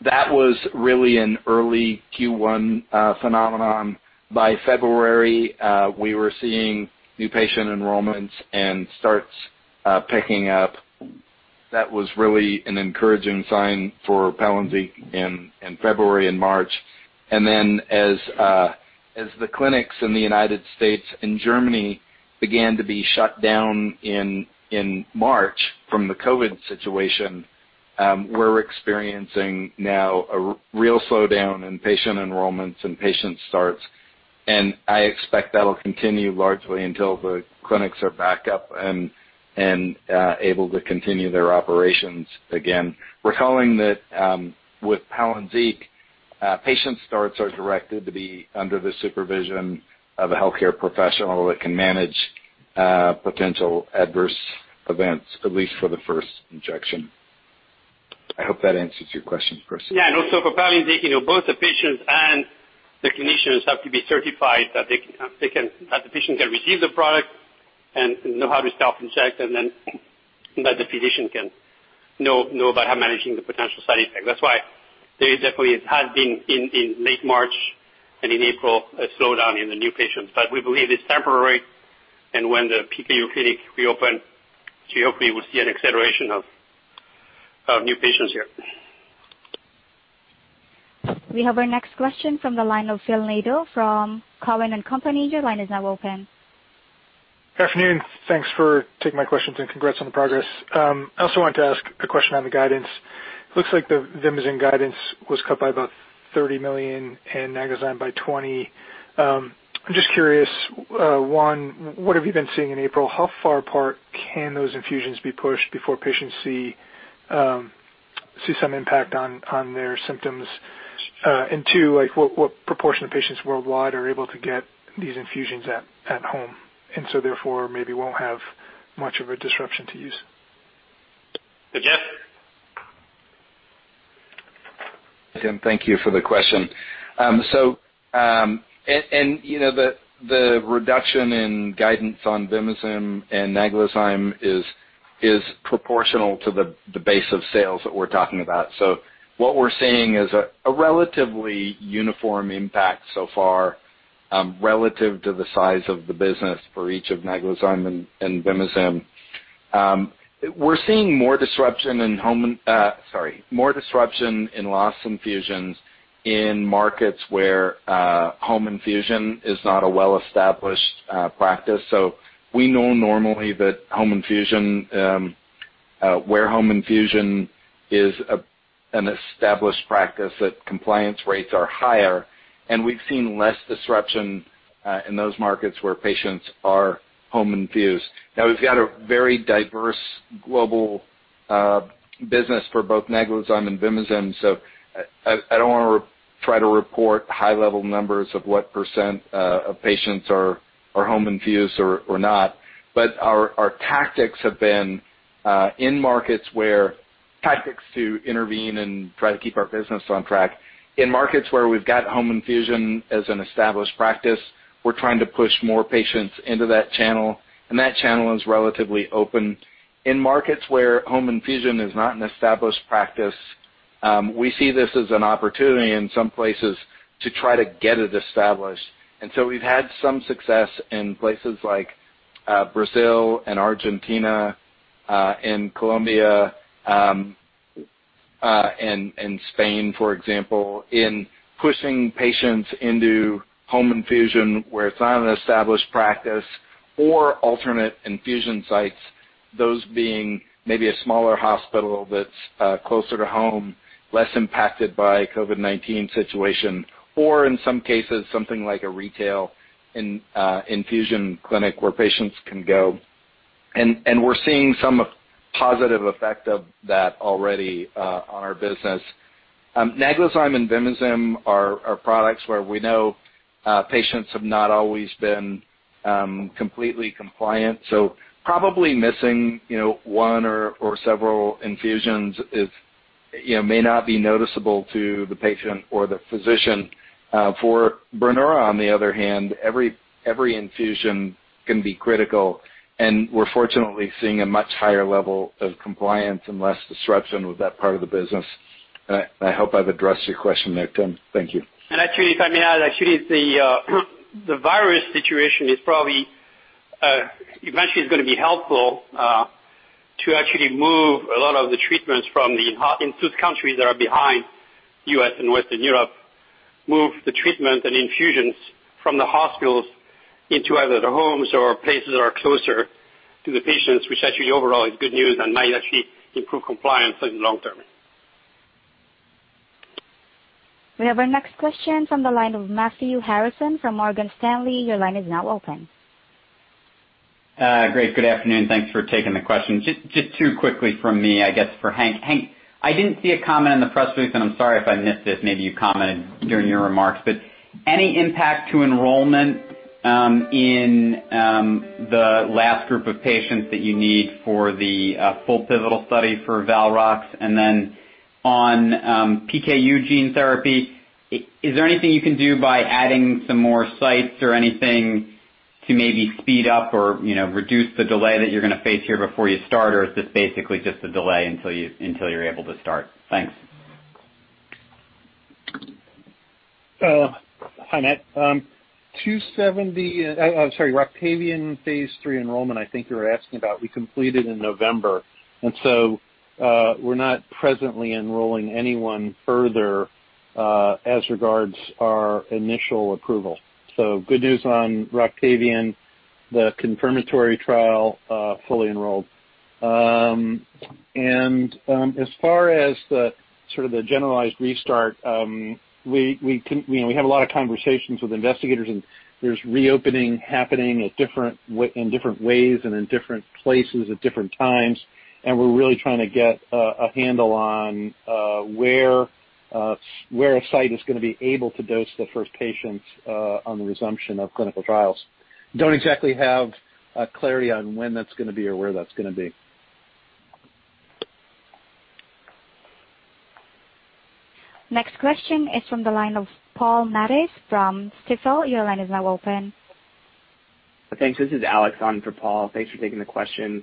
That was really an early Q1 phenomenon. By February, we were seeing new patient enrollments and starts picking up. That was really an encouraging sign for Palynziq in February and March. And then as the clinics in the United States and Germany began to be shut down in March from the COVID situation, we're experiencing now a real slowdown in patient enrollments and patient starts. And I expect that'll continue largely until the clinics are back up and able to continue their operations again. Recalling that with Palynziq, patient starts are directed to be under the supervision of a healthcare professional that can manage potential adverse events, at least for the first injection. I hope that answers your question, Chris. Yeah. And also for Palynziq, both the patients and the clinicians have to be certified that the patient can receive the product and know how to self-inject, and then that the physician can know about how managing the potential side effects. That's why there definitely has been in late March and in April a slowdown in the new patients. But we believe it's temporary. And when the PKU clinic reopens, hopefully we'll see an acceleration of new patients here. We have our next question from the line of Phil Nadeau from Cowen and Company. Your line is now open. Good afternoon. Thanks for taking my questions and congrats on the progress. I also wanted to ask a question on the guidance. It looks like the Vimizim guidance was cut by about $30 million and Naglazyme by $20 million. I'm just curious, one, what have you been seeing in April? How far apart can those infusions be pushed before patients see some impact on their symptoms? And two, what proportion of patients worldwide are able to get these infusions at home? And so therefore, maybe won't have much of a disruption to use. So Jeff? Again, thank you for the question. And the reduction in guidance on Vimizim and Naglazyme is proportional to the base of sales that we're talking about. So what we're seeing is a relatively uniform impact so far relative to the size of the business for each of Naglazyme and Vimizim. We're seeing more disruption in home sorry, more disruption in lost infusions in markets where home infusion is not a well-established practice. So we know normally that home infusion, where home infusion is an established practice that compliance rates are higher, and we've seen less disruption in those markets where patients are home infused. Now, we've got a very diverse global business for both Naglazyme and Vimizim. So I don't want to try to report high-level numbers of what percent of patients are home infused or not. Our tactics have been in markets where we have tactics to intervene and try to keep our business on track. In markets where we've got home infusion as an established practice, we're trying to push more patients into that channel. That channel is relatively open. In markets where home infusion is not an established practice, we see this as an opportunity in some places to try to get it established. We've had some success in places like Brazil and Argentina and Colombia and Spain, for example, in pushing patients into home infusion where it's not an established practice or alternate infusion sites, those being maybe a smaller hospital that's closer to home, less impacted by a COVID-19 situation, or in some cases, something like a retail infusion clinic where patients can go. We're seeing some positive effect of that already on our business. Naglazyme and Vimizim are products where we know patients have not always been completely compliant. So probably missing one or several infusions may not be noticeable to the patient or the physician. For Brineura, on the other hand, every infusion can be critical. And we're fortunately seeing a much higher level of compliance and less disruption with that part of the business. And I hope I've addressed your question there, Phil. Thank you. And actually, if I may add, actually, the virus situation is probably eventually going to be helpful to actually move a lot of the treatments from the in such countries that are behind the U.S. and Western Europe, move the treatment and infusions from the hospitals into either the homes or places that are closer to the patients, which actually overall is good news and might actually improve compliance in the long term. We have our next question from the line of Matthew Harrison from Morgan Stanley. Your line is now open. Great. Good afternoon. Thanks for taking the question. Just too quickly from me, I guess, for Hank. Hank, I didn't see a comment in the press brief, and I'm sorry if I missed it. Maybe you commented during your remarks. But any impact to enrollment in the last group of patients that you need for the full pivotal study for Valrox? And then on PKU gene therapy, is there anything you can do by adding some more sites or anything to maybe speed up or reduce the delay that you're going to face here before you start? Or is this basically just a delay until you're able to start? Thanks. Hi, Matt. 270, I'm sorry, Roctavian phase III enrollment, I think you were asking about, we completed in November, and so we're not presently enrolling anyone further as regards our initial approval. So good news on Roctavian, the confirmatory trial fully enrolled, and as far as sort of the generalized restart, we have a lot of conversations with investigators, and there's reopening happening in different ways and in different places at different times. And we're really trying to get a handle on where a site is going to be able to dose the first patients on the resumption of clinical trials. Don't exactly have clarity on when that's going to be or where that's going to be. Next question is from the line of Paul Matteis from Stifel. Your line is now open. Thanks. This is Alex on for Paul. Thanks for taking the question.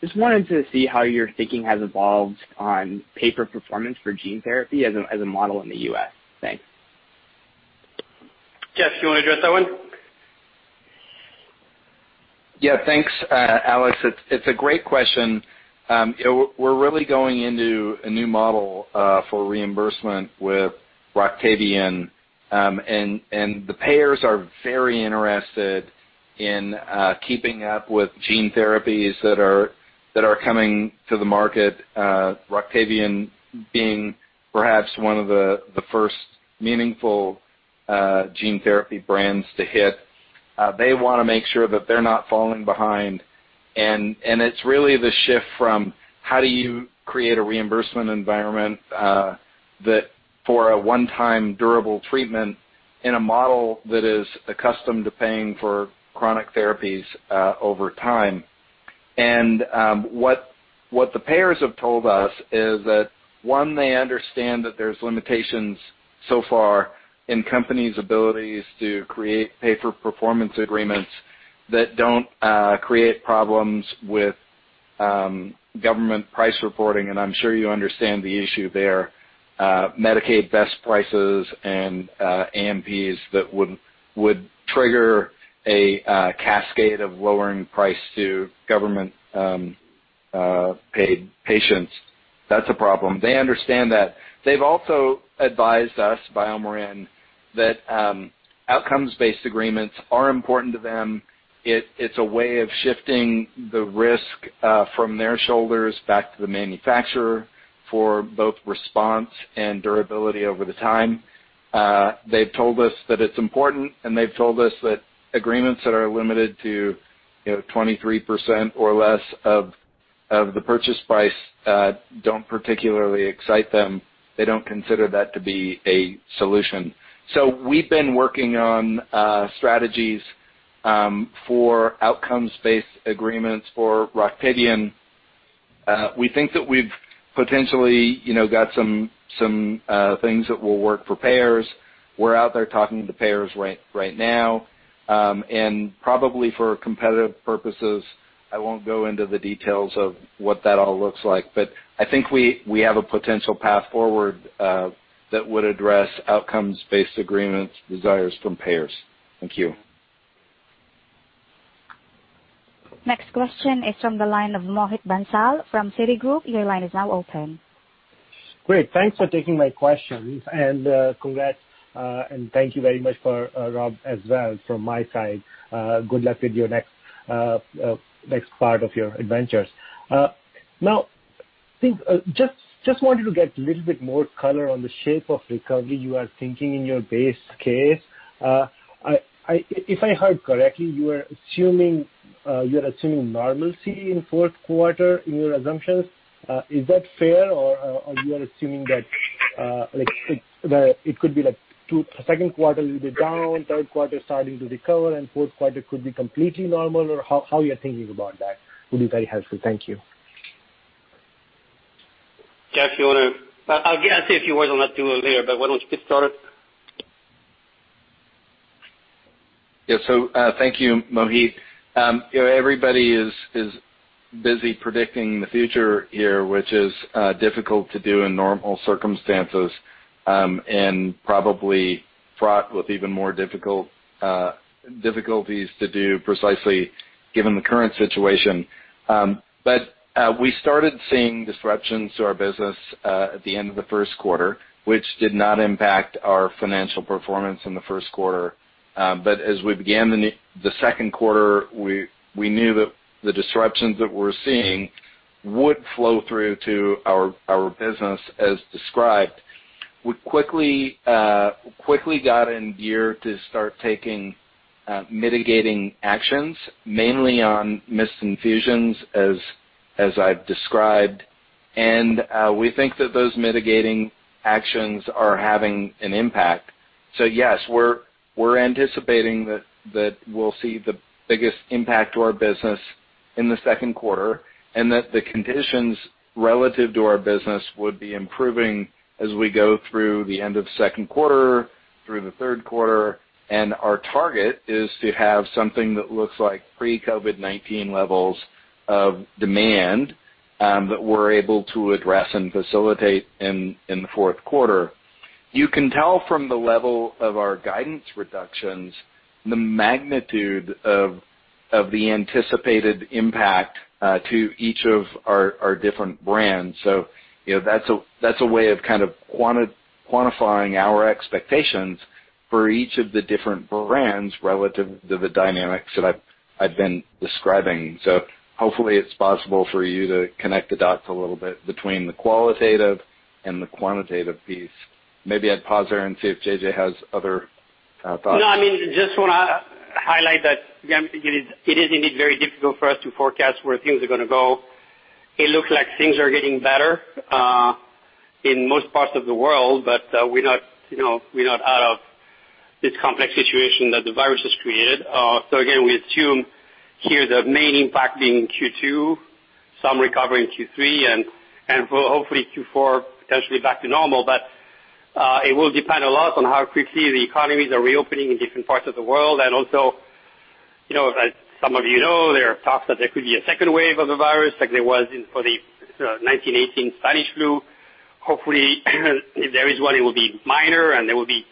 Just wanted to see how your thinking has evolved on payer performance for gene therapy as a modality in the U.S. Thanks. Jeff, do you want to address that one? Yeah. Thanks, Alex. It's a great question. We're really going into a new model for reimbursement with Roctavian. And the payers are very interested in keeping up with gene therapies that are coming to the market, Roctavian being perhaps one of the first meaningful gene therapy brands to hit. They want to make sure that they're not falling behind. And it's really the shift from how do you create a reimbursement environment for a one-time durable treatment in a model that is accustomed to paying for chronic therapies over time. And what the payers have told us is that, one, they understand that there's limitations so far in companies' abilities to create payer performance agreements that don't create problems with government price reporting. And I'm sure you understand the issue there. Medicaid best prices and AMPs that would trigger a cascade of lowering price to government-paid patients. That's a problem. They understand that. They've also advised us, BioMarin, that outcomes-based agreements are important to them. It's a way of shifting the risk from their shoulders back to the manufacturer for both response and durability over the time. They've told us that it's important, and they've told us that agreements that are limited to 23% or less of the purchase price don't particularly excite them. They don't consider that to be a solution. So we've been working on strategies for outcomes-based agreements for Roctavian. We think that we've potentially got some things that will work for payers. We're out there talking to payers right now. And probably for competitive purposes, I won't go into the details of what that all looks like. But I think we have a potential path forward that would address outcomes-based agreements' desires from payers. Thank you. Next question is from the line of Mohit Bansal from Citigroup. Your line is now open. Great. Thanks for taking my questions. And congrats and thank you very much for Rob as well from my side. Good luck with your next part of your adventures. Now, just wanted to get a little bit more color on the shape of recovery you are thinking in your base case. If I heard correctly, you are assuming normalcy in fourth quarter in your assumptions. Is that fair? Or you are assuming that it could be like second quarter a little bit down, third quarter starting to recover, and fourth quarter could be completely normal? Or how you're thinking about that would be very helpful. Thank you. Jeff, you want to? I'll say a few words on that too later, but why don't you get started? Yeah, so thank you, Mohit. Everybody is busy predicting the future here, which is difficult to do in normal circumstances and probably fraught with even more difficulties to do precisely given the current situation, but we started seeing disruptions to our business at the end of the first quarter, which did not impact our financial performance in the first quarter, but as we began the second quarter, we knew that the disruptions that we're seeing would flow through to our business as described. We quickly got in gear to start taking mitigating actions, mainly on missed infusions, as I've described, and we think that those mitigating actions are having an impact. So yes, we're anticipating that we'll see the biggest impact to our business in the second quarter and that the conditions relative to our business would be improving as we go through the end of the second quarter, through the third quarter. And our target is to have something that looks like pre-COVID-19 levels of demand that we're able to address and facilitate in the fourth quarter. You can tell from the level of our guidance reductions the magnitude of the anticipated impact to each of our different brands. So that's a way of kind of quantifying our expectations for each of the different brands relative to the dynamics that I've been describing. So hopefully, it's possible for you to connect the dots a little bit between the qualitative and the quantitative piece. Maybe I'd pause there and see if J.J. has other thoughts. No, I mean, just want to highlight that it is indeed very difficult for us to forecast where things are going to go. It looks like things are getting better in most parts of the world, but we're not out of this complex situation that the virus has created. So again, we assume here the main impact being Q2, some recovery in Q3, and hopefully Q4, potentially back to normal. But it will depend a lot on how quickly the economies are reopening in different parts of the world. And also, as some of you know, there are talks that there could be a second wave of the virus like there was for the 1918 Spanish flu. Hopefully, if there is one, it will be minor and there will be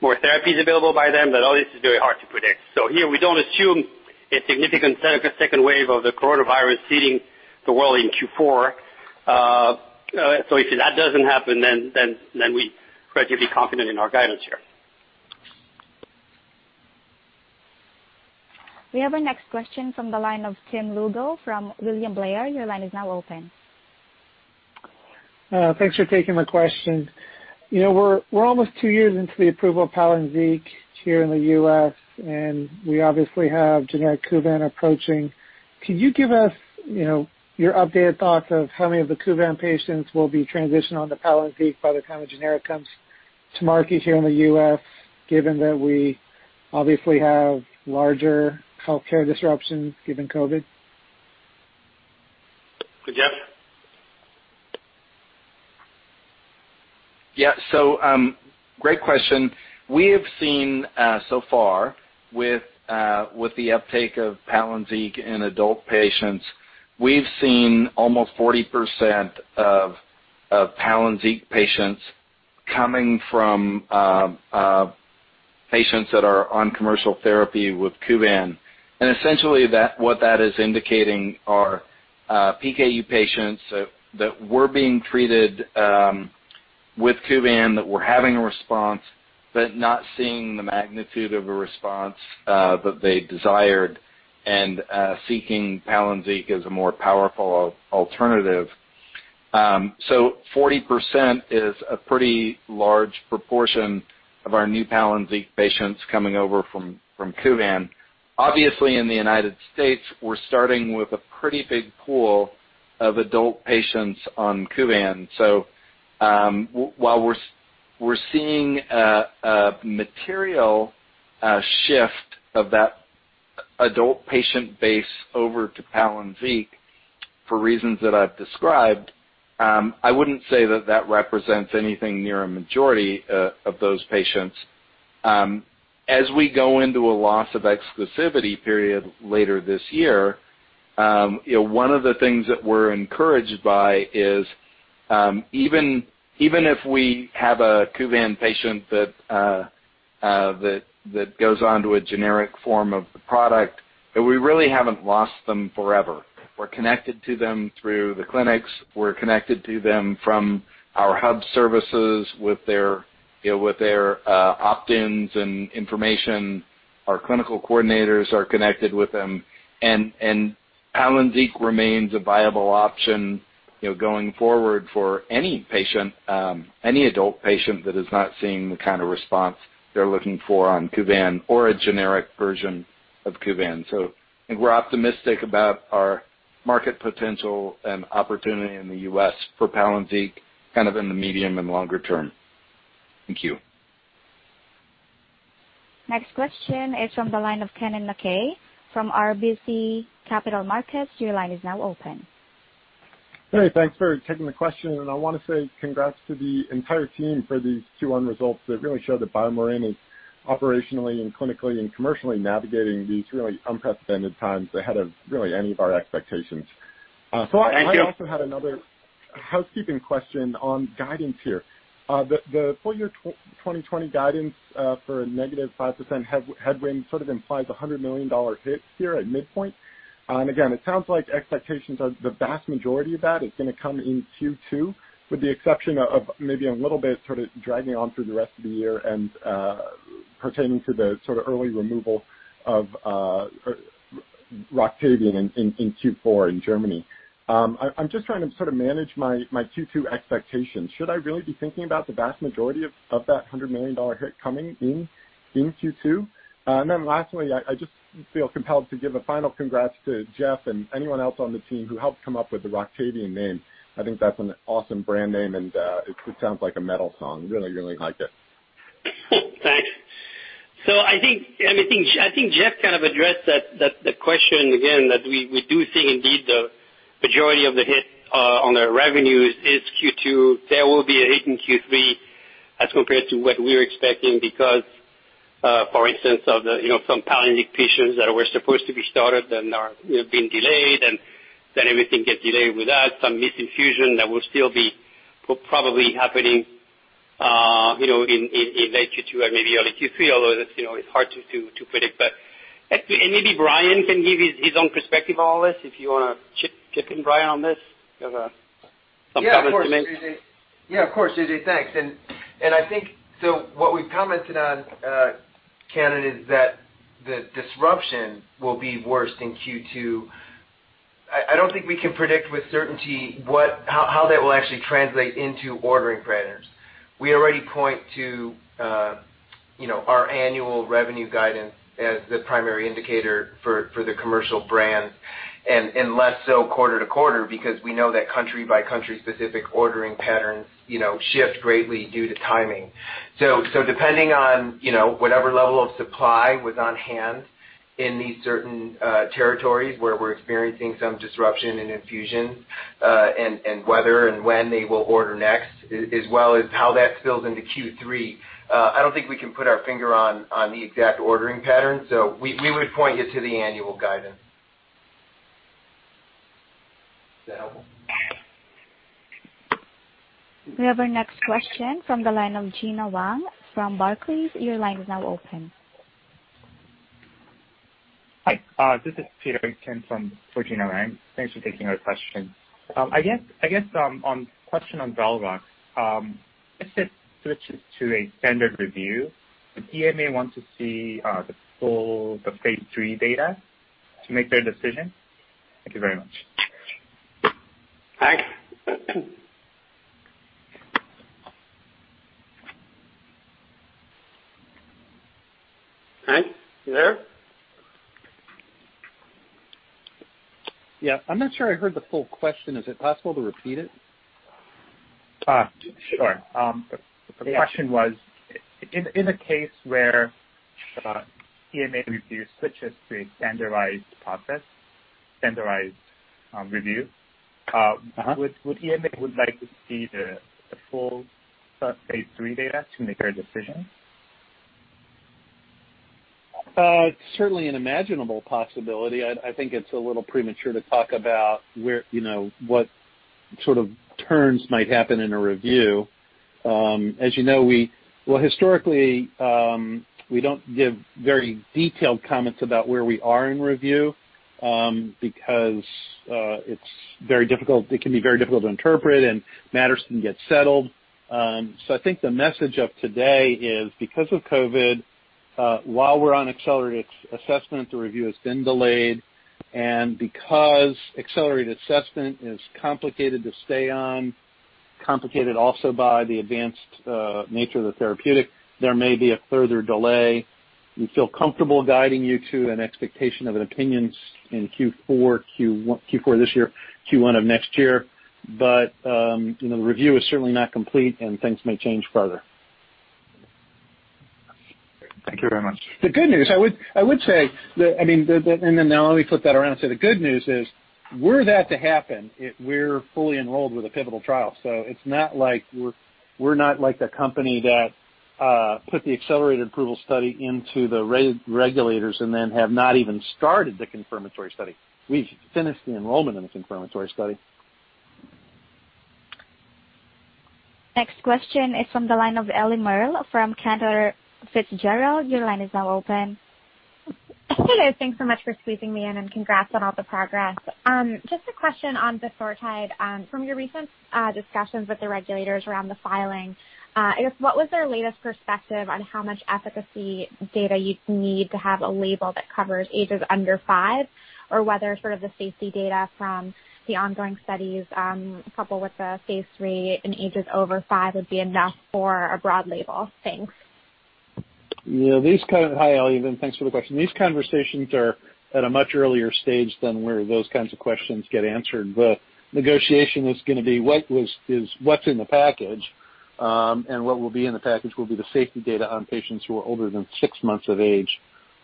more therapies available by then. But all this is very hard to predict. So here, we don't assume a significant set of a second wave of the coronavirus hitting the world in Q4. So if that doesn't happen, then we're relatively confident in our guidance here. We have our next question from the line of Tim Lugo from William Blair. Your line is now open. Thanks for taking my question. We're almost two years into the approval of Palynziq here in the U.S., and we obviously have generic Kuvan approaching. Could you give us your updated thoughts of how many of the Kuvan patients will be transitioned on to Palynziq by the time the generic comes to market here in the U.S., given that we obviously have larger healthcare disruptions given COVID? Jeff? Yeah. So great question. We have seen so far with the uptake of Palynziq in adult patients, we've seen almost 40% of Palynziq patients coming from patients that are on commercial therapy with Kuvan. And essentially, what that is indicating are PKU patients that were being treated with Kuvan, that were having a response, but not seeing the magnitude of a response that they desired and seeking Palynziq as a more powerful alternative. So 40% is a pretty large proportion of our new Palynziq patients coming over from Kuvan. Obviously, in the United States, we're starting with a pretty big pool of adult patients on Kuvan. So while we're seeing a material shift of that adult patient base over to Palynziq for reasons that I've described, I wouldn't say that that represents anything near a majority of those patients. As we go into a loss of exclusivity period later this year, one of the things that we're encouraged by is even if we have a Kuvan patient that goes on to a generic form of the product, we really haven't lost them forever. We're connected to them through the clinics. We're connected to them from our hub services with their opt-ins and information. Our clinical coordinators are connected with them. And Palynziq remains a viable option going forward for any patient, any adult patient that is not seeing the kind of response they're looking for on Kuvan or a generic version of Kuvan. So we're optimistic about our market potential and opportunity in the U.S. for Palynziq kind of in the medium and longer term. Thank you. Next question is from the line of Kennen MacKay from RBC Capital Markets. Your line is now open. Hey, thanks for taking the question. And I want to say congrats to the entire team for these Q1 results that really show that BioMarin is operationally and clinically and commercially navigating these really unprecedented times ahead of really any of our expectations. So I also had another housekeeping question on guidance here. The full year 2020 guidance for a negative 5% headwind sort of implies a $100 million hit here at midpoint. And again, it sounds like expectations are the vast majority of that is going to come in Q2, with the exception of maybe a little bit sort of dragging on through the rest of the year and pertaining to the sort of early removal of Roctavian in Q4 in Germany. I'm just trying to sort of manage my Q2 expectations. Should I really be thinking about the vast majority of that $100 million hit coming in Q2? And then lastly, I just feel compelled to give a final congrats to Jeff and anyone else on the team who helped come up with the Roctavian name. I think that's an awesome brand name, and it sounds like a metal song. Really, really like it. Thanks. So I think Jeff kind of addressed the question again, that we do think indeed the majority of the hit on the revenues is Q2. There will be a hit in Q3 as compared to what we're expecting because, for instance, of some Palynziq patients that were supposed to be started and are being delayed, and then everything gets delayed with that. Some missed infusion that will still be probably happening in late Q2 and maybe early Q3, although it's hard to predict. But maybe Brian can give his own perspective on all this. If you want to chip in, Brian, on this, you have some comments to make. Yeah, of course, J.J. Thanks. And I think so what we've commented on, Kennen, is that the disruption will be worse in Q2. I don't think we can predict with certainty how that will actually translate into ordering parameters. We already point to our annual revenue guidance as the primary indicator for the commercial brands, and less so quarter-to-quarter because we know that country-by-country specific ordering patterns shift greatly due to timing. So depending on whatever level of supply was on hand in these certain territories where we're experiencing some disruption in infusion and whether and when they will order next, as well as how that spills into Q3, I don't think we can put our finger on the exact ordering pattern. So we would point you to the annual guidance. Is that helpful? We have our next question from the line of Gena Wang from Barclays. Your line is now open. Hi. This is Peter Kim from Gena Wang. Thanks for taking our question. I guess one question on Valrox, if it switches to a standard review, the EMA wants to see the full phase III data to make their decision. Thank you very much. Thanks. Hey, you there? Yeah. I'm not sure I heard the full question. Is it possible to repeat it? Sure. The question was, in a case where EMA review switches to a standardized process, standardized review, would EMA like to see the full phase III data to make their decision? It's certainly an imaginable possibility. I think it's a little premature to talk about what sort of turns might happen in a review. As you know, well, historically, we don't give very detailed comments about where we are in review because it can be very difficult to interpret and matters can get settled. So I think the message of today is, because of COVID, while we're on accelerated assessment, the review has been delayed. And because accelerated assessment is complicated to stay on, complicated also by the advanced nature of the therapeutic, there may be a further delay. We feel comfortable guiding you to an expectation of an opinion in Q4, Q4 this year, Q1 of next year. But the review is certainly not complete, and things may change further. Thank you very much. The good news, I would say, I mean, and then now let me flip that around and say the good news is, were that to happen, we're fully enrolled with a pivotal trial. So it's not like the company that put the accelerated approval study into the regulators and then have not even started the confirmatory study. We've finished the enrollment in the confirmatory study. Next question is from the line of Ellie Merle from Cantor Fitzgerald. Your line is now open. Hello. Thanks so much for squeezing me in and congrats on all the progress. Just a question on vosoritide. From your recent discussions with the regulators around the filing, I guess what was their latest perspective on how much efficacy data you need to have a label that covers ages under five or whether sort of the safety data from the ongoing studies, coupled with the phase III and ages over five, would be enough for a broad label? Thanks. Yeah. Hi, Ellie. Thanks for the question. These conversations are at a much earlier stage than where those kinds of questions get answered. The negotiation is going to be what's in the package, and what will be in the package will be the safety data on patients who are older than six months of age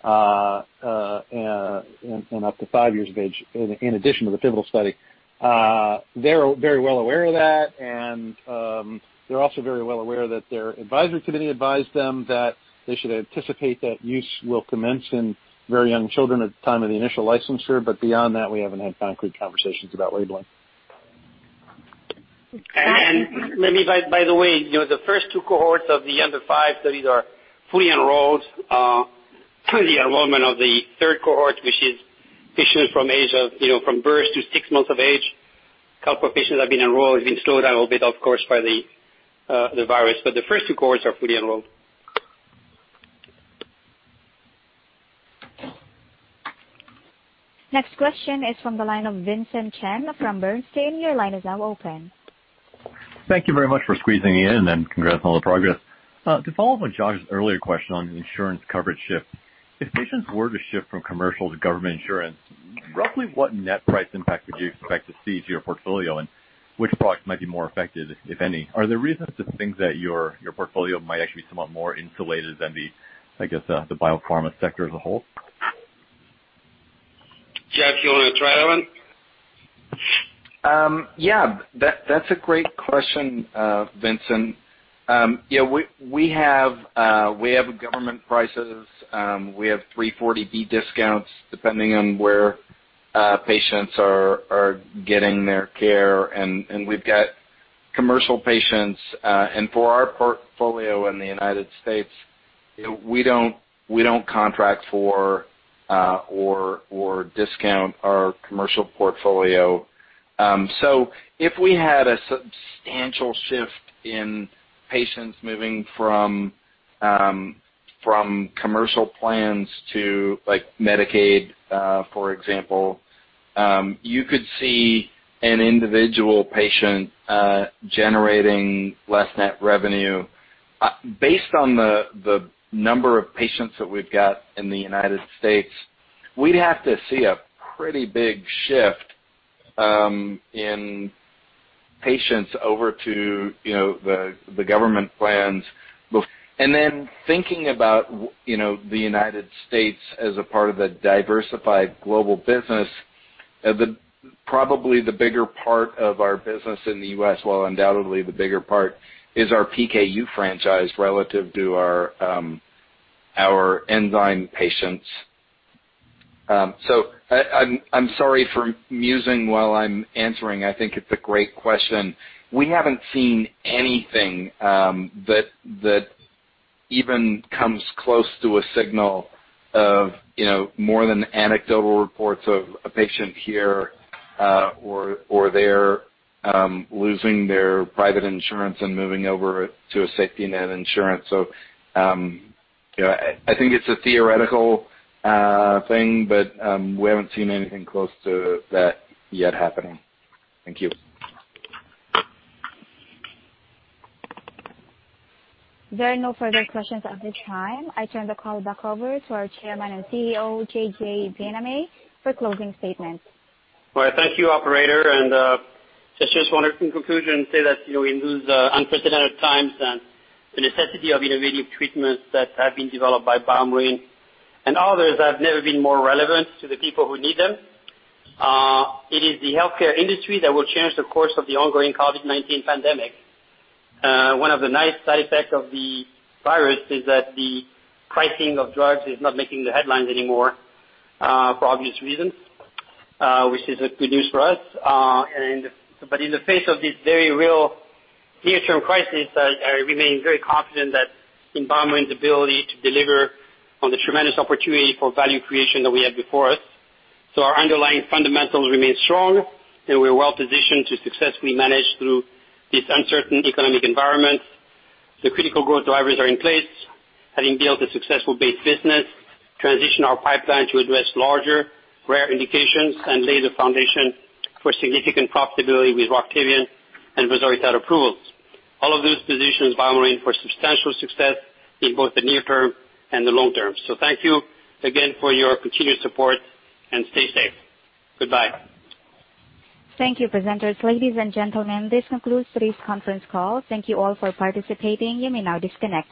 and up to five years of age, in addition to the pivotal study. They're very well aware of that, and they're also very well aware that their advisory committee advised them that they should anticipate that use will commence in very young children at the time of the initial licensure. But beyond that, we haven't had concrete conversations about labeling. Let me, by the way, the first two cohorts of the under five studies are fully enrolled. The enrollment of the third cohort, which is patients from age of birth to six months of age, a couple of patients have been enrolled. It's been slowed down a little bit, of course, by the virus. The first two cohorts are fully enrolled. Next question is from the line of Vincent Chen from Bernstein. Your line is now open. Thank you very much for squeezing me in and congrats on all the progress. To follow up on Josh's earlier question on the insurance coverage shift, if patients were to shift from commercial to government insurance, roughly what net price impact would you expect to see to your portfolio and which products might be more affected, if any? Are there reasons to think that your portfolio might actually be somewhat more insulated than the, I guess, the biopharma sector as a whole? Jeff, you want to try that one? Yeah. That's a great question, Vincent. Yeah. We have government prices. We have 340B discounts depending on where patients are getting their care. And we've got commercial patients. And for our portfolio in the United States, we don't contract for or discount our commercial portfolio. So if we had a substantial shift in patients moving from commercial plans to Medicaid, for example, you could see an individual patient generating less net revenue. Based on the number of patients that we've got in the United States, we'd have to see a pretty big shift in patients over to the government plans. And then thinking about the United States as a part of the diversified global business, probably the bigger part of our business in the U.S., while undoubtedly the bigger part, is our PKU franchise relative to our enzyme patients. So I'm sorry for musing while I'm answering. I think it's a great question. We haven't seen anything that even comes close to a signal of more than anecdotal reports of a patient here or there losing their private insurance and moving over to a safety net insurance. So I think it's a theoretical thing, but we haven't seen anything close to that yet happening. Thank you. There are no further questions at this time. I turn the call back over to our Chairman and CEO, J.J. Bienaimé, for closing statements. All right. Thank you, Operator. And just want to, in conclusion, say that in these unprecedented times, the necessity of innovative treatments that have been developed by BioMarin and others have never been more relevant to the people who need them. It is the healthcare industry that will change the course of the ongoing COVID-19 pandemic. One of the nice side effects of the virus is that the pricing of drugs is not making the headlines anymore for obvious reasons, which is good news for us. But in the face of this very real near-term crisis, I remain very confident that in BioMarin's ability to deliver on the tremendous opportunity for value creation that we have before us, so our underlying fundamentals remain strong, and we're well positioned to successfully manage through this uncertain economic environment. The critical growth drivers are in place. Having built a successful base business, transition our pipeline to address larger rare indications and lay the foundation for significant profitability with Roctavian and vosoritide approvals. All of those positions BioMarin for substantial success in both the near term and the long term. So thank you again for your continued support and stay safe. Goodbye. Thank you, presenters. Ladies and gentlemen, this concludes today's conference call. Thank you all for participating. You may now disconnect.